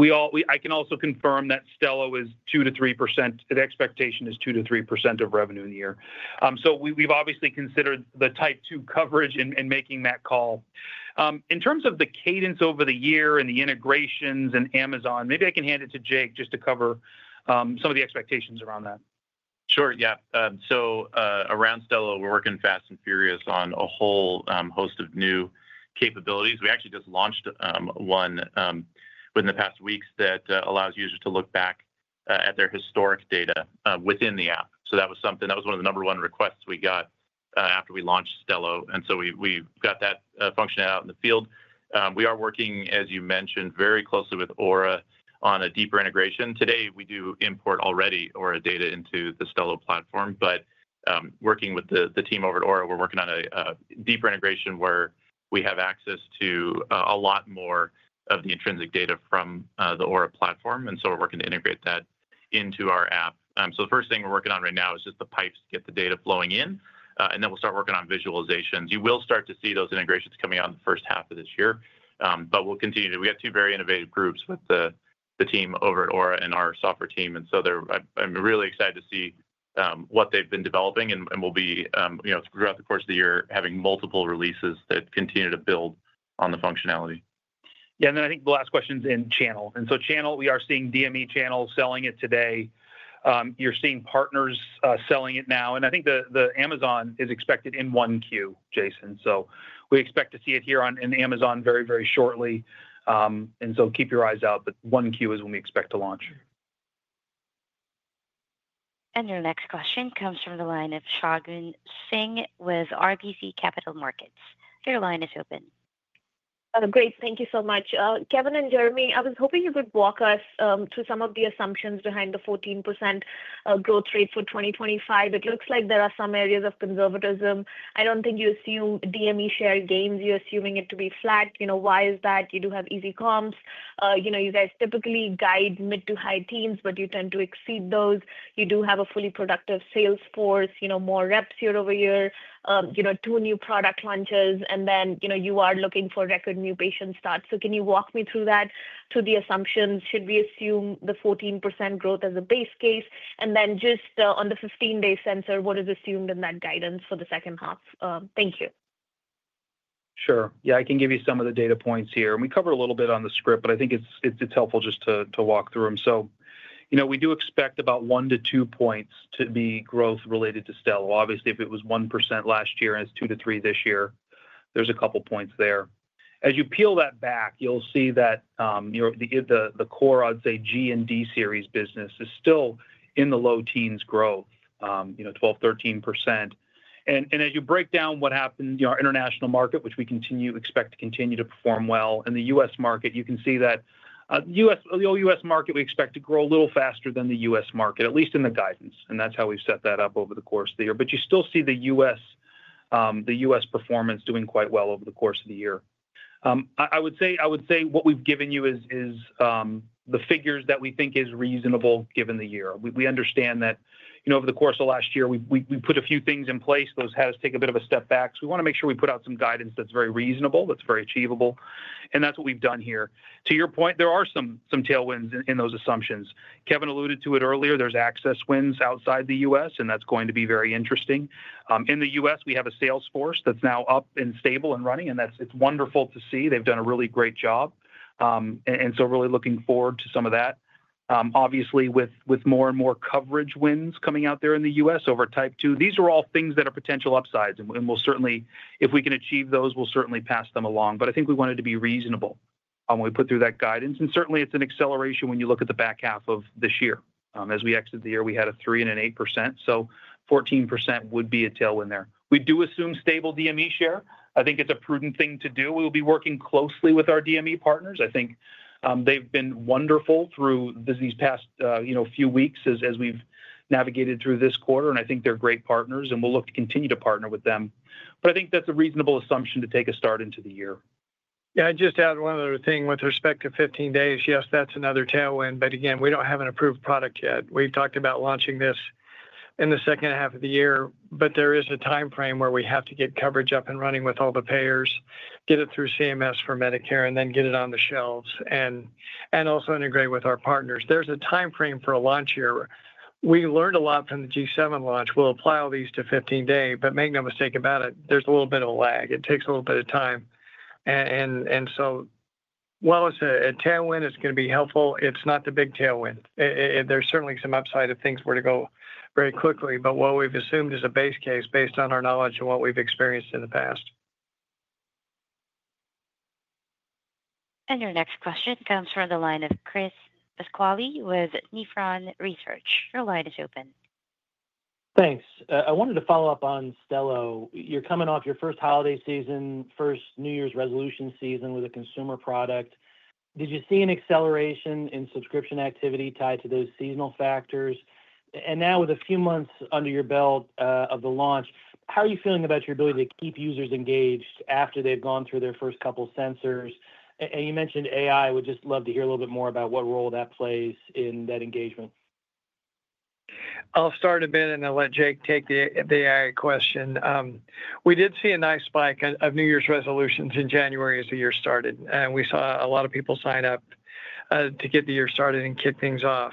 news. I can also confirm that Stelo is 2%-3%. The expectation is 2%-3% of revenue in the year. We've obviously considered the type 2 coverage and making that call. In terms of the cadence over the year and the integrations and Amazon, maybe I can hand it to Jake just to cover some of the expectations around that. Sure. Yeah. So around Stelo, we're working fast and furious on a whole host of new capabilities. We actually just launched one within the past weeks that allows users to look back at their historic data within the app. So that was something that was one of the number one requests we got after we launched Stelo. And so we've got that function out in the field. We are working, as you mentioned, very closely with Oura on a deeper integration. Today, we do import already Oura data into the Stelo platform, but working with the team over at Oura, we're working on a deeper integration where we have access to a lot more of the intrinsic data from the Oura platform. And so we're working to integrate that into our app. The first thing we're working on right now is just the pipes to get the data flowing in, and then we'll start working on visualizations. You will start to see those integrations coming out in the first half of this year, but we'll continue to. We have two very innovative groups with the team over at Oura and our software team. I'm really excited to see what they've been developing, and we'll be throughout the course of the year having multiple releases that continue to build on the functionality. Yeah. And then I think the last question is in channel. And so channel, we are seeing DME channel selling it today. You're seeing partners selling it now. And I think Amazon is expected in 1Q, Jayson. So we expect to see it here on Amazon very, very shortly. And so keep your eyes out, but 1Q is when we expect to launch. Your next question comes from the line of Shagun Singh with RBC Capital Markets. Your line is open. Great. Thank you so much. Kevin and Jereme, I was hoping you could walk us through some of the assumptions behind the 14% growth rate for 2025. It looks like there are some areas of conservatism. I don't think you assume DME share gains. You're assuming it to be flat. Why is that? You do have easy comps. You guys typically guide mid to high-teens, but you tend to exceed those. You do have a fully productive sales force, more reps year-over-year, two new product launches, and then you are looking for record new patient starts. So can you walk me through that, through the assumptions? Should we assume the 14% growth as a base case? And then just on the 15 Day sensor, what is assumed in that guidance for the second half? Thank you. Sure. Yeah, I can give you some of the data points here. And we cover a little bit on the script, but I think it's helpful just to walk through them. So we do expect about one to two points to be growth related to Stelo. Obviously, if it was 1% last year and it's two to three this year, there's a couple of points there. As you peel that back, you'll see that the core, I'd say, G and D-series business is still in the low teens growth, 12%-13%. And as you break down what happened, our international market, which we continue to expect to continue to perform well, and the U.S. market, you can see that the whole U.S. market, we expect to grow a little faster than the U.S. market, at least in the guidance. That's how we've set that up over the course of the year. You still see the U.S. performance doing quite well over the course of the year. I would say what we've given you is the figures that we think are reasonable given the year. We understand that over the course of last year, we put a few things in place. Those had us take a bit of a step back. We want to make sure we put out some guidance that's very reasonable, that's very achievable. That's what we've done here. To your point, there are some tailwinds in those assumptions. Kevin alluded to it earlier. There's access wins outside the U.S., and that's going to be very interesting. In the U.S., we have a sales force that's now up and stable and running, and it's wonderful to see. They've done a really great job. And so really looking forward to some of that. Obviously, with more and more coverage wins coming out there in the U.S. over type 2, these are all things that are potential upsides. And if we can achieve those, we'll certainly pass them along. But I think we wanted to be reasonable when we put through that guidance. And certainly, it's an acceleration when you look at the back half of this year. As we exited the year, we had a 3% and an 8%. So 14% would be a tailwind there. We do assume stable DME share. I think it's a prudent thing to do. We will be working closely with our DME partners. I think they've been wonderful through these past few weeks as we've navigated through this quarter. And I think they're great partners, and we'll look to continue to partner with them. But I think that's a reasonable assumption to take a start into the year. Yeah. I'd just add one other thing with respect to 15 Days. Yes, that's another tailwind. But again, we don't have an approved product yet. We've talked about launching this in the second half of the year, but there is a timeframe where we have to get coverage up and running with all the payers, get it through CMS for Medicare, and then get it on the shelves, and also integrate with our partners. There's a timeframe for a launch year. We learned a lot from the G7 launch. We'll apply all these to 15 Day, but make no mistake about it, there's a little bit of a lag. It takes a little bit of time. And so while it's a tailwind, it's going to be helpful, it's not the big tailwind. There's certainly some upside if things were to go very quickly, but what we've assumed is a base case based on our knowledge and what we've experienced in the past. Your next question comes from the line of Chris Pasquale with Nephron Research. Your line is open. Thanks. I wanted to follow up on Stelo. You're coming off your first holiday season, first New Year's resolution season with a consumer product. Did you see an acceleration in subscription activity tied to those seasonal factors? And now, with a few months under your belt of the launch, how are you feeling about your ability to keep users engaged after they've gone through their first couple of sensors? And you mentioned AI. We'd just love to hear a little bit more about what role that plays in that engagement. I'll start a bit, and I'll let Jake take the AI question. We did see a nice spike of New Year's resolutions in January as the year started, and we saw a lot of people sign up to get the year started and kick things off.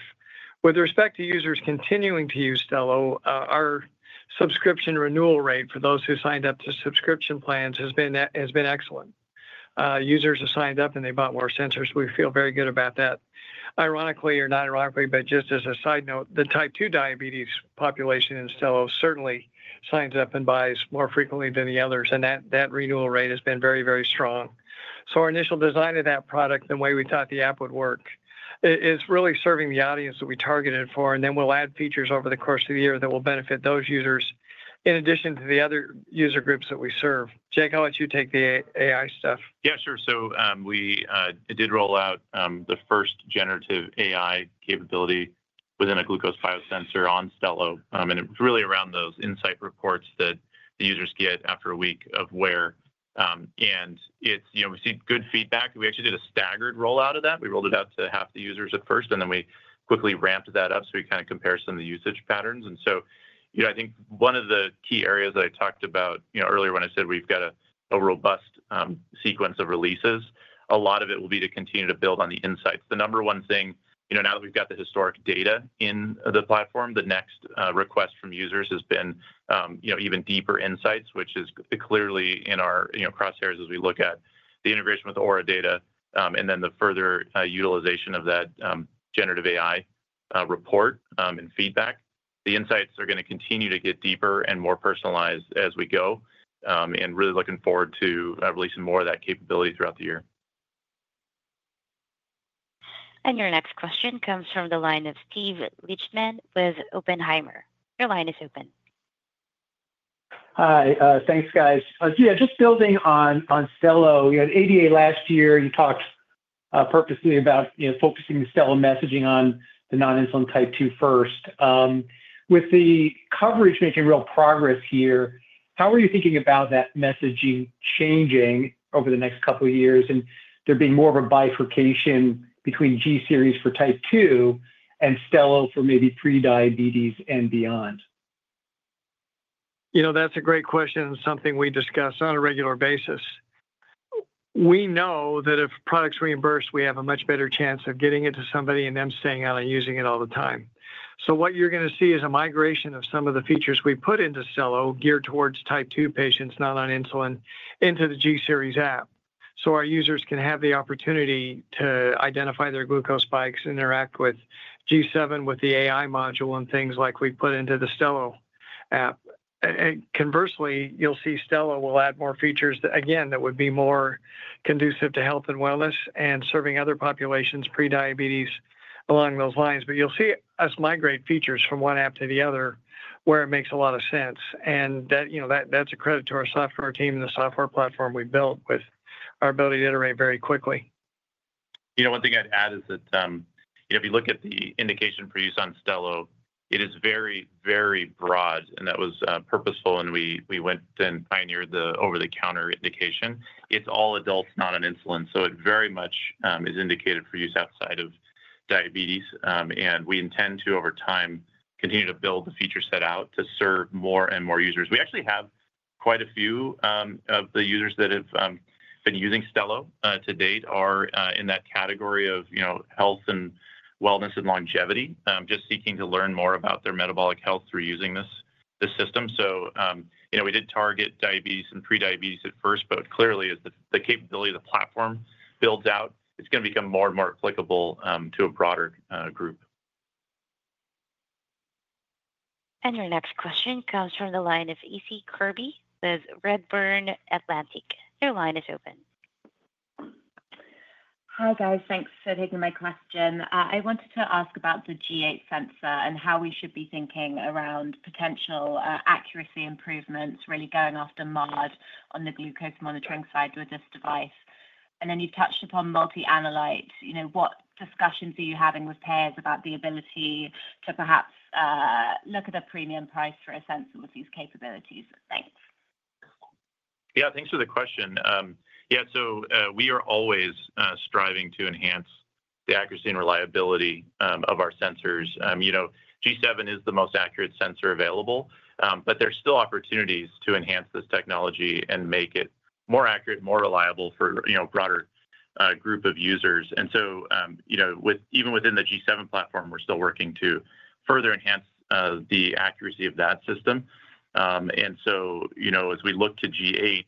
With respect to users continuing to use Stelo, our subscription renewal rate for those who signed up to subscription plans has been excellent. Users have signed up, and they bought more sensors. We feel very good about that. Ironically, or not ironically, but just as a side note, the type 2 diabetes population in Stelo certainly signs up and buys more frequently than the others, and that renewal rate has been very, very strong, so our initial design of that product and the way we thought the app would work is really serving the audience that we targeted for. And then we'll add features over the course of the year that will benefit those users in addition to the other user groups that we serve. Jake, I'll let you take the AI stuff. Yeah, sure. So we did roll out the first generative AI capability within a glucose biosensor on Stelo. And it was really around those insight reports that the users get after a week of wear. And we've seen good feedback. We actually did a staggered rollout of that. We rolled it out to half the users at first, and then we quickly ramped that up so we kind of compare some of the usage patterns. And so I think one of the key areas that I talked about earlier when I said we've got a robust sequence of releases, a lot of it will be to continue to build on the insights. The number one thing, now that we've got the historic data in the platform, the next request from users has been even deeper insights, which is clearly in our crosshairs as we look at the integration with Oura data and then the further utilization of that generative AI report and feedback. The insights are going to continue to get deeper and more personalized as we go. And really looking forward to releasing more of that capability throughout the year. And your next question comes from the line of Steve Lichtman with Oppenheimer. Your line is open. Hi. Thanks, guys. Yeah, just building on Stelo. You had ADA last year. You talked purposely about focusing Stelo messaging on the non-insulin type 2 first. With the coverage making real progress here, how are you thinking about that messaging changing over the next couple of years and there being more of a bifurcation between G-series for type 2 and Stelo for maybe prediabetes and beyond? You know, that's a great question and something we discuss on a regular basis. We know that if products reimburse, we have a much better chance of getting it to somebody and them staying out and using it all the time. So what you're going to see is a migration of some of the features we put into Stelo geared towards type 2 patients not on insulin into the G-series app. So our users can have the opportunity to identify their glucose spikes, interact with G7 with the AI module, and things like we put into the Stelo app. Conversely, you'll see Stelo will add more features, again, that would be more conducive to health and wellness and serving other populations, prediabetes, along those lines. But you'll see us migrate features from one app to the other where it makes a lot of sense. That's a credit to our software team and the software platform we built with our ability to iterate very quickly. You know, one thing I'd add is that if you look at the indication for use on Stelo, it is very, very broad. And that was purposeful, and we went and pioneered the over-the-counter indication. It's all adults, not on insulin. So it very much is indicated for use outside of diabetes. And we intend to, over time, continue to build the feature set out to serve more and more users. We actually have quite a few of the users that have been using Stelo to date are in that category of health and wellness and longevity, just seeking to learn more about their metabolic health through using this system. So we did target diabetes and prediabetes at first, but clearly, as the capability of the platform builds out, it's going to become more and more applicable to a broader group. And your next question comes from the line of Issie Kirby with Redburn Atlantic. Your line is open. Hi, guys. Thanks for taking my question. I wanted to ask about the G8 sensor and how we should be thinking around potential accuracy improvements, really going after MARD on the glucose monitoring side with this device. And then you've touched upon multi-analytes. What discussions are you having with payers about the ability to perhaps look at a premium price for a sensor with these capabilities? Thanks. Yeah, thanks for the question. Yeah, so we are always striving to enhance the accuracy and reliability of our sensors. G7 is the most accurate sensor available, but there's still opportunities to enhance this technology and make it more accurate, more reliable for a broader group of users. And so even within the G7 platform, we're still working to further enhance the accuracy of that system. And so as we look to G8,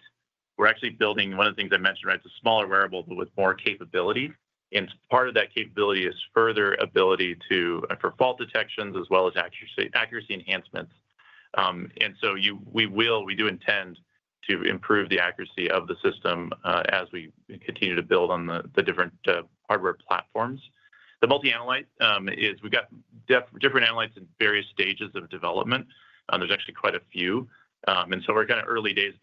we're actually building one of the things I mentioned, right? It's a smaller wearable, but with more capability. And part of that capability is further ability for fault detections as well as accuracy enhancements. And so we do intend to improve the accuracy of the system as we continue to build on the different hardware platforms. The multi-analytes, we've got different analytes in various stages of development. There's actually quite a few. And so we're kind of early days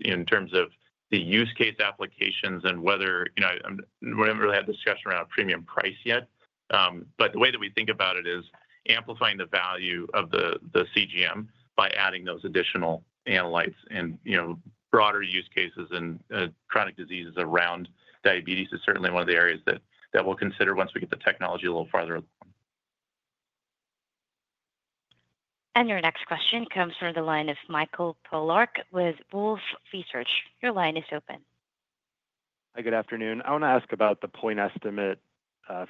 in terms of the use case applications and whether we haven't really had a discussion around a premium price yet. But the way that we think about it is amplifying the value of the CGM by adding those additional analytes and broader use cases and chronic diseases around diabetes is certainly one of the areas that we'll consider once we get the technology a little farther along. Your next question comes from the line of Michael Polark with Wolfe Research. Your line is open. Hi, good afternoon. I want to ask about the point estimate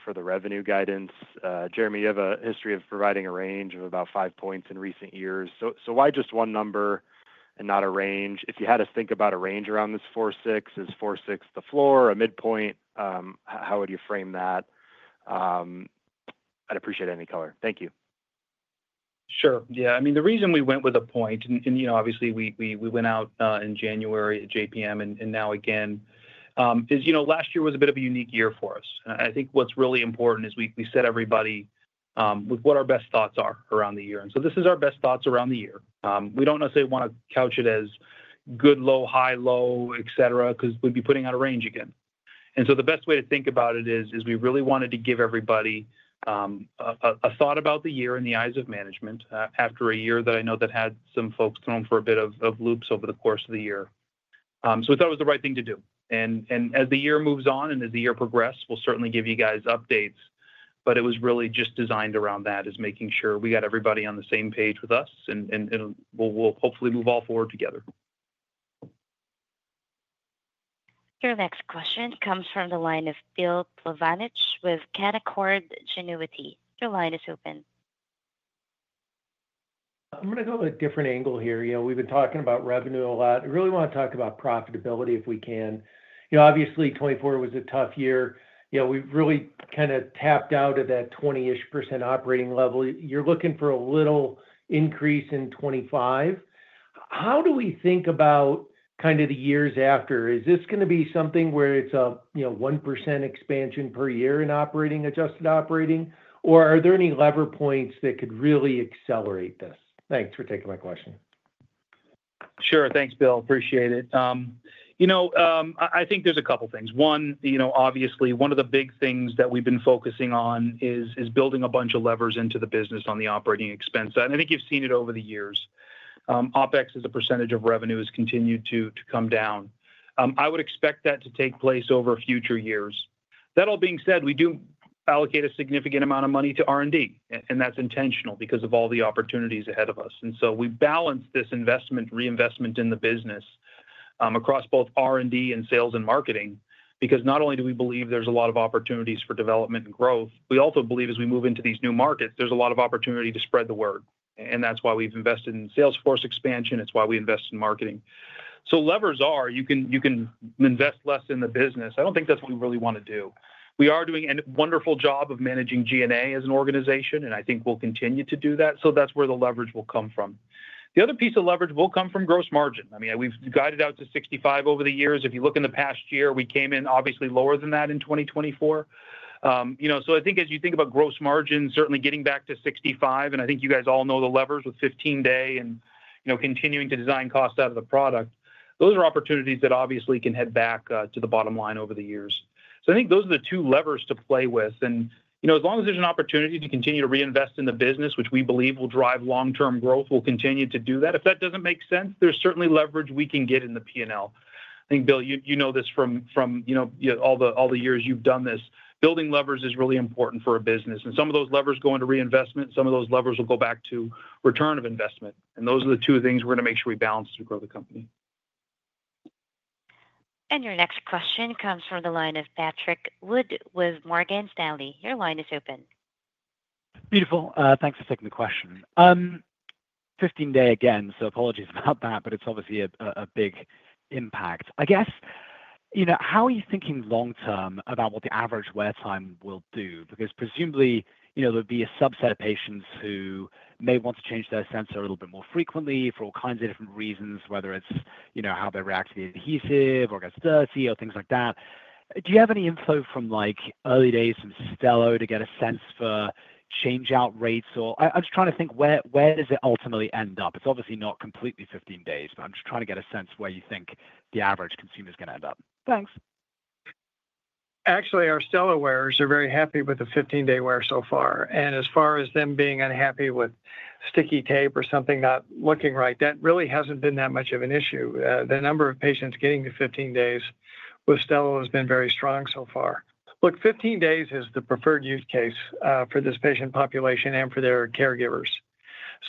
for the revenue guidance. Jereme, you have a history of providing a range of about five points in recent years. So why just one number and not a range? If you had us think about a range around this four, six, is four, six the floor, a midpoint? How would you frame that? I'd appreciate any color. Thank you. Sure. Yeah. I mean, the reason we went with a point, and obviously, we went out in January at JPM and now again, is last year was a bit of a unique year for us, and I think what's really important is we set everybody with what our best thoughts are around the year, and so this is our best thoughts around the year. We don't necessarily want to couch it as good, low, high, low, etc., because we'd be putting out a range again, and so the best way to think about it is we really wanted to give everybody a thought about the year in the eyes of management after a year that I know that had some folks thrown for a bit of a loop over the course of the year, so we thought it was the right thing to do. And as the year moves on and as the year progresses, we'll certainly give you guys updates. But it was really just designed around that, is making sure we got everybody on the same page with us, and we'll hopefully move all forward together. Your next question comes from the line of Bill Plovanic with Canaccord Genuity. Your line is open. I'm going to go with a different angle here. We've been talking about revenue a lot. I really want to talk about profitability if we can. Obviously, 2024 was a tough year. We've really kind of tapped out at that 20-ish% operating level. You're looking for a little increase in 2025. How do we think about kind of the years after? Is this going to be something where it's a 1% expansion per year in adjusted operating? Or are there any lever points that could really accelerate this? Thanks for taking my question. Sure. Thanks, Bill. Appreciate it. I think there's a couple of things. One, obviously, one of the big things that we've been focusing on is building a bunch of levers into the business on the operating expense. And I think you've seen it over the years. OpEx as a percentage of revenue has continued to come down. I would expect that to take place over future years. That all being said, we do allocate a significant amount of money to R&D, and that's intentional because of all the opportunities ahead of us. And so we balance this investment, reinvestment in the business across both R&D and sales and marketing because not only do we believe there's a lot of opportunities for development and growth, we also believe as we move into these new markets, there's a lot of opportunity to spread the word. And that's why we've invested in sales force expansion. It's why we invest in marketing. So levers are, you can invest less in the business. I don't think that's what we really want to do. We are doing a wonderful job of managing G&A as an organization, and I think we'll continue to do that. So that's where the leverage will come from. The other piece of leverage will come from gross margin. I mean, we've guided out to 65% over the years. If you look in the past year, we came in obviously lower than that in 2024. So I think as you think about gross margin, certainly getting back to 65%, and I think you guys all know the levers with 15 Day and continuing to design cost out of the product, those are opportunities that obviously can head back to the bottom line over the years. So I think those are the two levers to play with. And as long as there's an opportunity to continue to reinvest in the business, which we believe will drive long-term growth, we'll continue to do that. If that doesn't make sense, there's certainly leverage we can get in the P&L. I think, Bill, you know this from all the years you've done this. Building levers is really important for a business. And some of those levers go into reinvestment. Some of those levers will go back to return of investment. And those are the two things we're going to make sure we balance to grow the company. Your next question comes from the line of Patrick Wood with Morgan Stanley. Your line is open. Beautiful. Thanks for taking the question. 15 Day again, so apologies about that, but it's obviously a big impact. I guess, how are you thinking long-term about what the average wear time will do? Because presumably, there would be a subset of patients who may want to change their sensor a little bit more frequently for all kinds of different reasons, whether it's how they react to the adhesive or gets dirty or things like that. Do you have any info from early days from Stelo to get a sense for changeout rates? Or I'm just trying to think where does it ultimately end up? It's obviously not completely 15 days, but I'm just trying to get a sense where you think the average consumer is going to end up. Thanks. Actually, our Stelo wearers are very happy with the 15 Day wear so far, and as far as them being unhappy with sticky tape or something not looking right, that really hasn't been that much of an issue. The number of patients getting to 15 days with Stelo has been very strong so far. Look, 15 days is the preferred use case for this patient population and for their caregivers.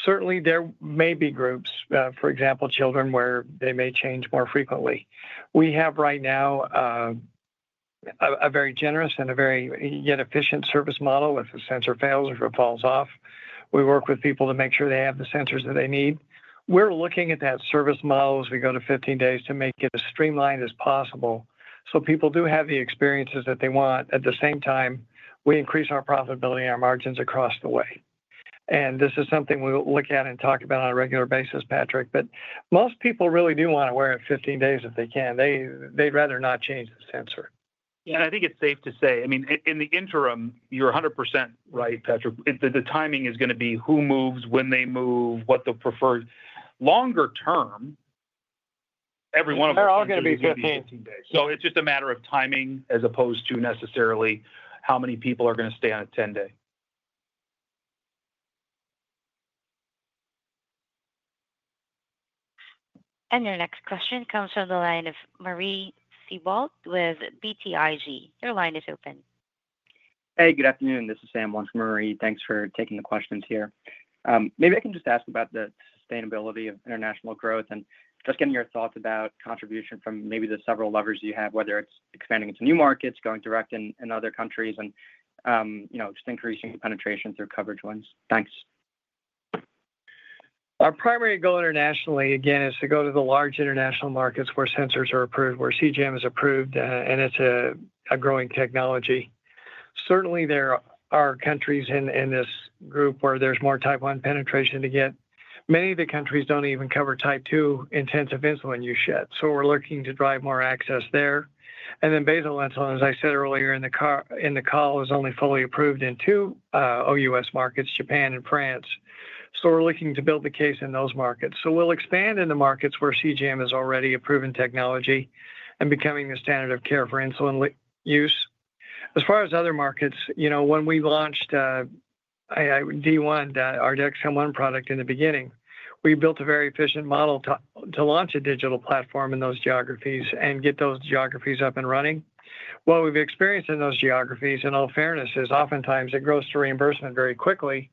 Certainly, there may be groups, for example, children, where they may change more frequently. We have right now a very generous and a very yet efficient service model if a sensor fails or falls off. We work with people to make sure they have the sensors that they need. We're looking at that service model as we go to 15 days to make it as streamlined as possible so people do have the experiences that they want. At the same time, we increase our profitability and our margins across the way. And this is something we'll look at and talk about on a regular basis, Patrick. But most people really do want to wear it 15 days if they can. They'd rather not change the sensor. Yeah, and I think it's safe to say, I mean, in the interim, you're 100% right, Patrick. The timing is going to be who moves, when they move, what they'll prefer. Longer term, every one of them will be wearing 15 days. They're all going to be 15 days. So it's just a matter of timing as opposed to necessarily how many people are going to stay on a 15 Day. And your next question comes from the line of Marie Thibault with BTIG. Your line is open. Hey, good afternoon. This is Sam Wong from Marie. Thanks for taking the questions here. Maybe I can just ask about the sustainability of international growth and just getting your thoughts about contribution from maybe the several levers you have, whether it's expanding into new markets, going direct in other countries, and just increasing penetration through coverage ones. Thanks. Our primary goal internationally, again, is to go to the large international markets where sensors are approved, where CGM is approved, and it's a growing technology. Certainly, there are countries in this group where there's more type 1 penetration to get. Many of the countries don't even cover type 2 intensive insulin use yet. We're looking to drive more access there. Basal insulin, as I said earlier in the call, is only fully approved in two OUS markets, Japan and France. We're looking to build the case in those markets. We'll expand in the markets where CGM is already a proven technology and becoming the standard of care for insulin use. As far as other markets, when we launched the ONE, our Dexcom ONE product in the beginning, we built a very efficient model to launch a digital platform in those geographies and get those geographies up and running. What we've experienced in those geographies, in all fairness, is oftentimes it grows to reimbursement very quickly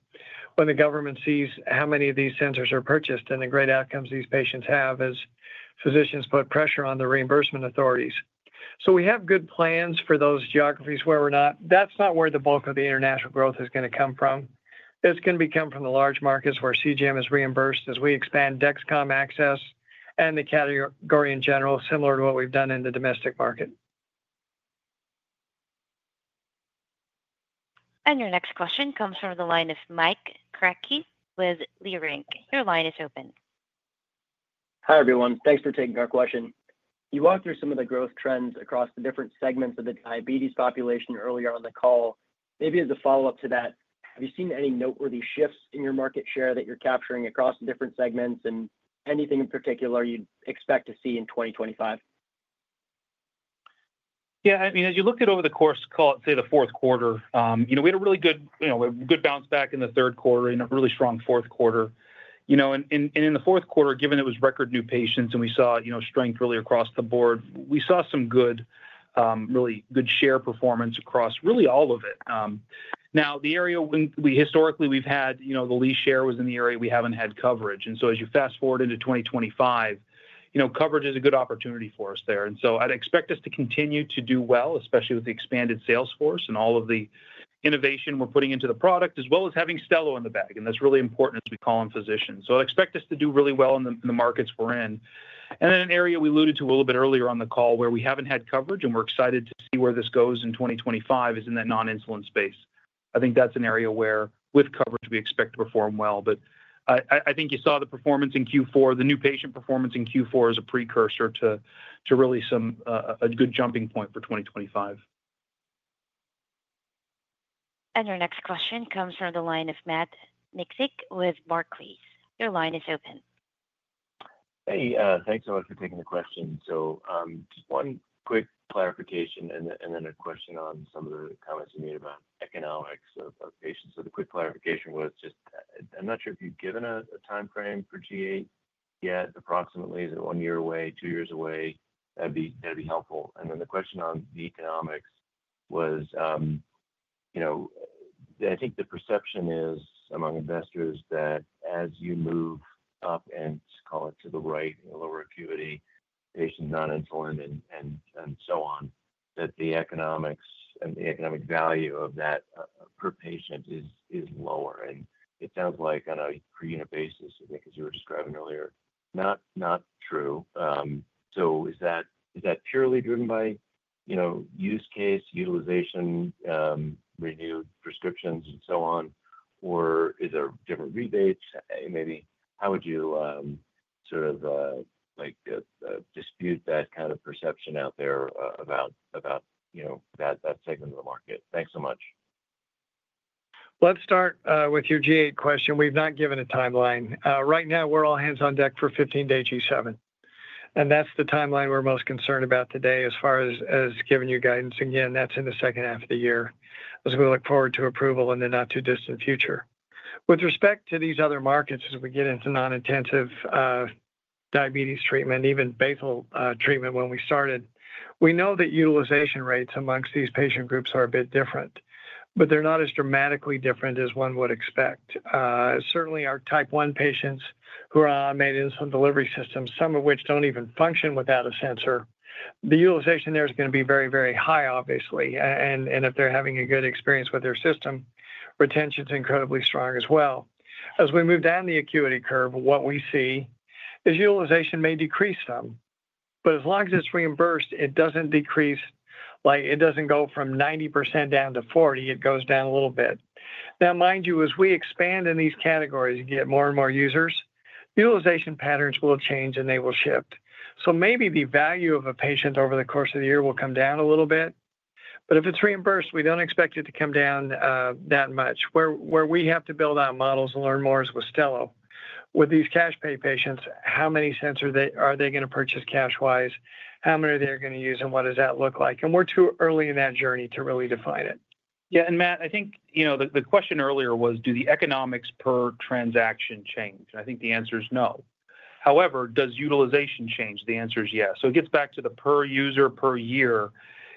when the government sees how many of these sensors are purchased and the great outcomes these patients have as physicians put pressure on the reimbursement authorities. So we have good plans for those geographies where we're not. That's not where the bulk of the international growth is going to come from. It's going to come from the large markets where CGM is reimbursed as we expand Dexcom access and the category in general, similar to what we've done in the domestic market. Your next question comes from the line of Mike Kratky with Leerink. Your line is open. Hi everyone. Thanks for taking our question. You walked through some of the growth trends across the different segments of the diabetes population earlier on the call. Maybe as a follow-up to that, have you seen any noteworthy shifts in your market share that you're capturing across the different segments and anything in particular you'd expect to see in 2025? Yeah. I mean, as you look at over the course of, say, the fourth quarter, we had a really good bounce back in the third quarter and a really strong fourth quarter. In the fourth quarter, given it was record new patients and we saw strength really across the board, we saw some really good share performance across really all of it. Now, the area where historically we've had the least share was in the area we haven't had coverage. So as you fast forward into 2025, coverage is a good opportunity for us there. I'd expect us to continue to do well, especially with the expanded sales force and all of the innovation we're putting into the product, as well as having Stelo in the bag. That's really important as we call in physicians. So I'd expect us to do really well in the markets we're in. And then an area we alluded to a little bit earlier on the call where we haven't had coverage and we're excited to see where this goes in 2025 is in that non-insulin space. I think that's an area where with coverage, we expect to perform well. But I think you saw the performance in Q4. The new patient performance in Q4 is a precursor to really some good jumping point for 2025. And your next question comes from the line of Matt Miksic with Barclays. Your line is open. Hey, thanks so much for taking the question. So just one quick clarification and then a question on some of the comments you made about economics of patients. So the quick clarification was just I'm not sure if you've given a timeframe for G8 yet, approximately. Is it one year away, two years away? That'd be helpful. And then the question on the economics was I think the perception is among investors that as you move up and call it to the right in the lower acuity, patients not insulin and so on, that the economics and the economic value of that per patient is lower. And it sounds like on a per unit basis, I think, as you were describing earlier, not true. So is that purely driven by use case, utilization, renewed prescriptions, and so on? Or is there different rebates? Maybe how would you sort of dispute that kind of perception out there about that segment of the market? Thanks so much. Let's start with your G8 question. We've not given a timeline. Right now, we're all hands on deck for 15 Day G7. And that's the timeline we're most concerned about today as far as giving you guidance. Again, that's in the second half of the year. I was going to look forward to approval in the not-too-distant future. With respect to these other markets, as we get into non-intensive diabetes treatment, even basal treatment when we started, we know that utilization rates amongst these patient groups are a bit different, but they're not as dramatically different as one would expect. Certainly, our type 1 patients who are on automated insulin delivery systems, some of which don't even function without a sensor, the utilization there is going to be very, very high, obviously. And if they're having a good experience with their system, retention is incredibly strong as well. As we move down the acuity curve, what we see is utilization may decrease some, but as long as it's reimbursed, it doesn't decrease. It doesn't go from 90% down to 40%. It goes down a little bit. Now, mind you, as we expand in these categories and get more and more users, utilization patterns will change and they will shift. So maybe the value of a patient over the course of the year will come down a little bit. But if it's reimbursed, we don't expect it to come down that much. Where we have to build our models and learn more is with Stelo. With these cash-pay patients, how many sensors are they going to purchase cash-wise? How many are they going to use? And what does that look like? And we're too early in that journey to really define it. Yeah. And Matt, I think the question earlier was, do the economics per transaction change? And I think the answer is no. However, does utilization change? The answer is yes. So it gets back to the per user per year.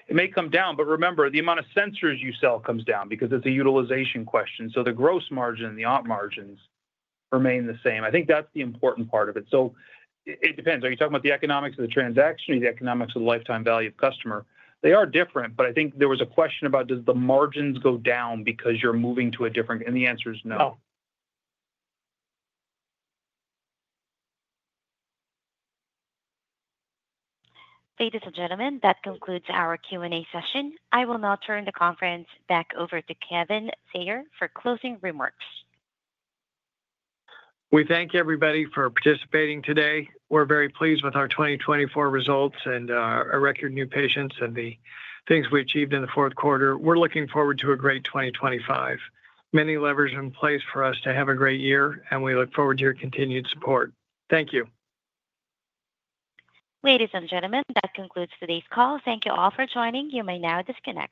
It may come down, but remember, the amount of sensors you sell comes down because it's a utilization question. So the gross margin and the op margins remain the same. I think that's the important part of it. So it depends. Are you talking about the economics of the transaction or the economics of the lifetime value of customer? They are different, but I think there was a question about, does the margins go down because you're moving to a different? And the answer is no. Ladies and gentlemen, that concludes our Q&A session. I will now turn the conference back over to Kevin Sayer for closing remarks. We thank everybody for participating today. We're very pleased with our 2024 results and our record new patients and the things we achieved in the fourth quarter. We're looking forward to a great 2025. Many levers in place for us to have a great year, and we look forward to your continued support. Thank you. Ladies and gentlemen, that concludes today's call. Thank you all for joining. You may now disconnect.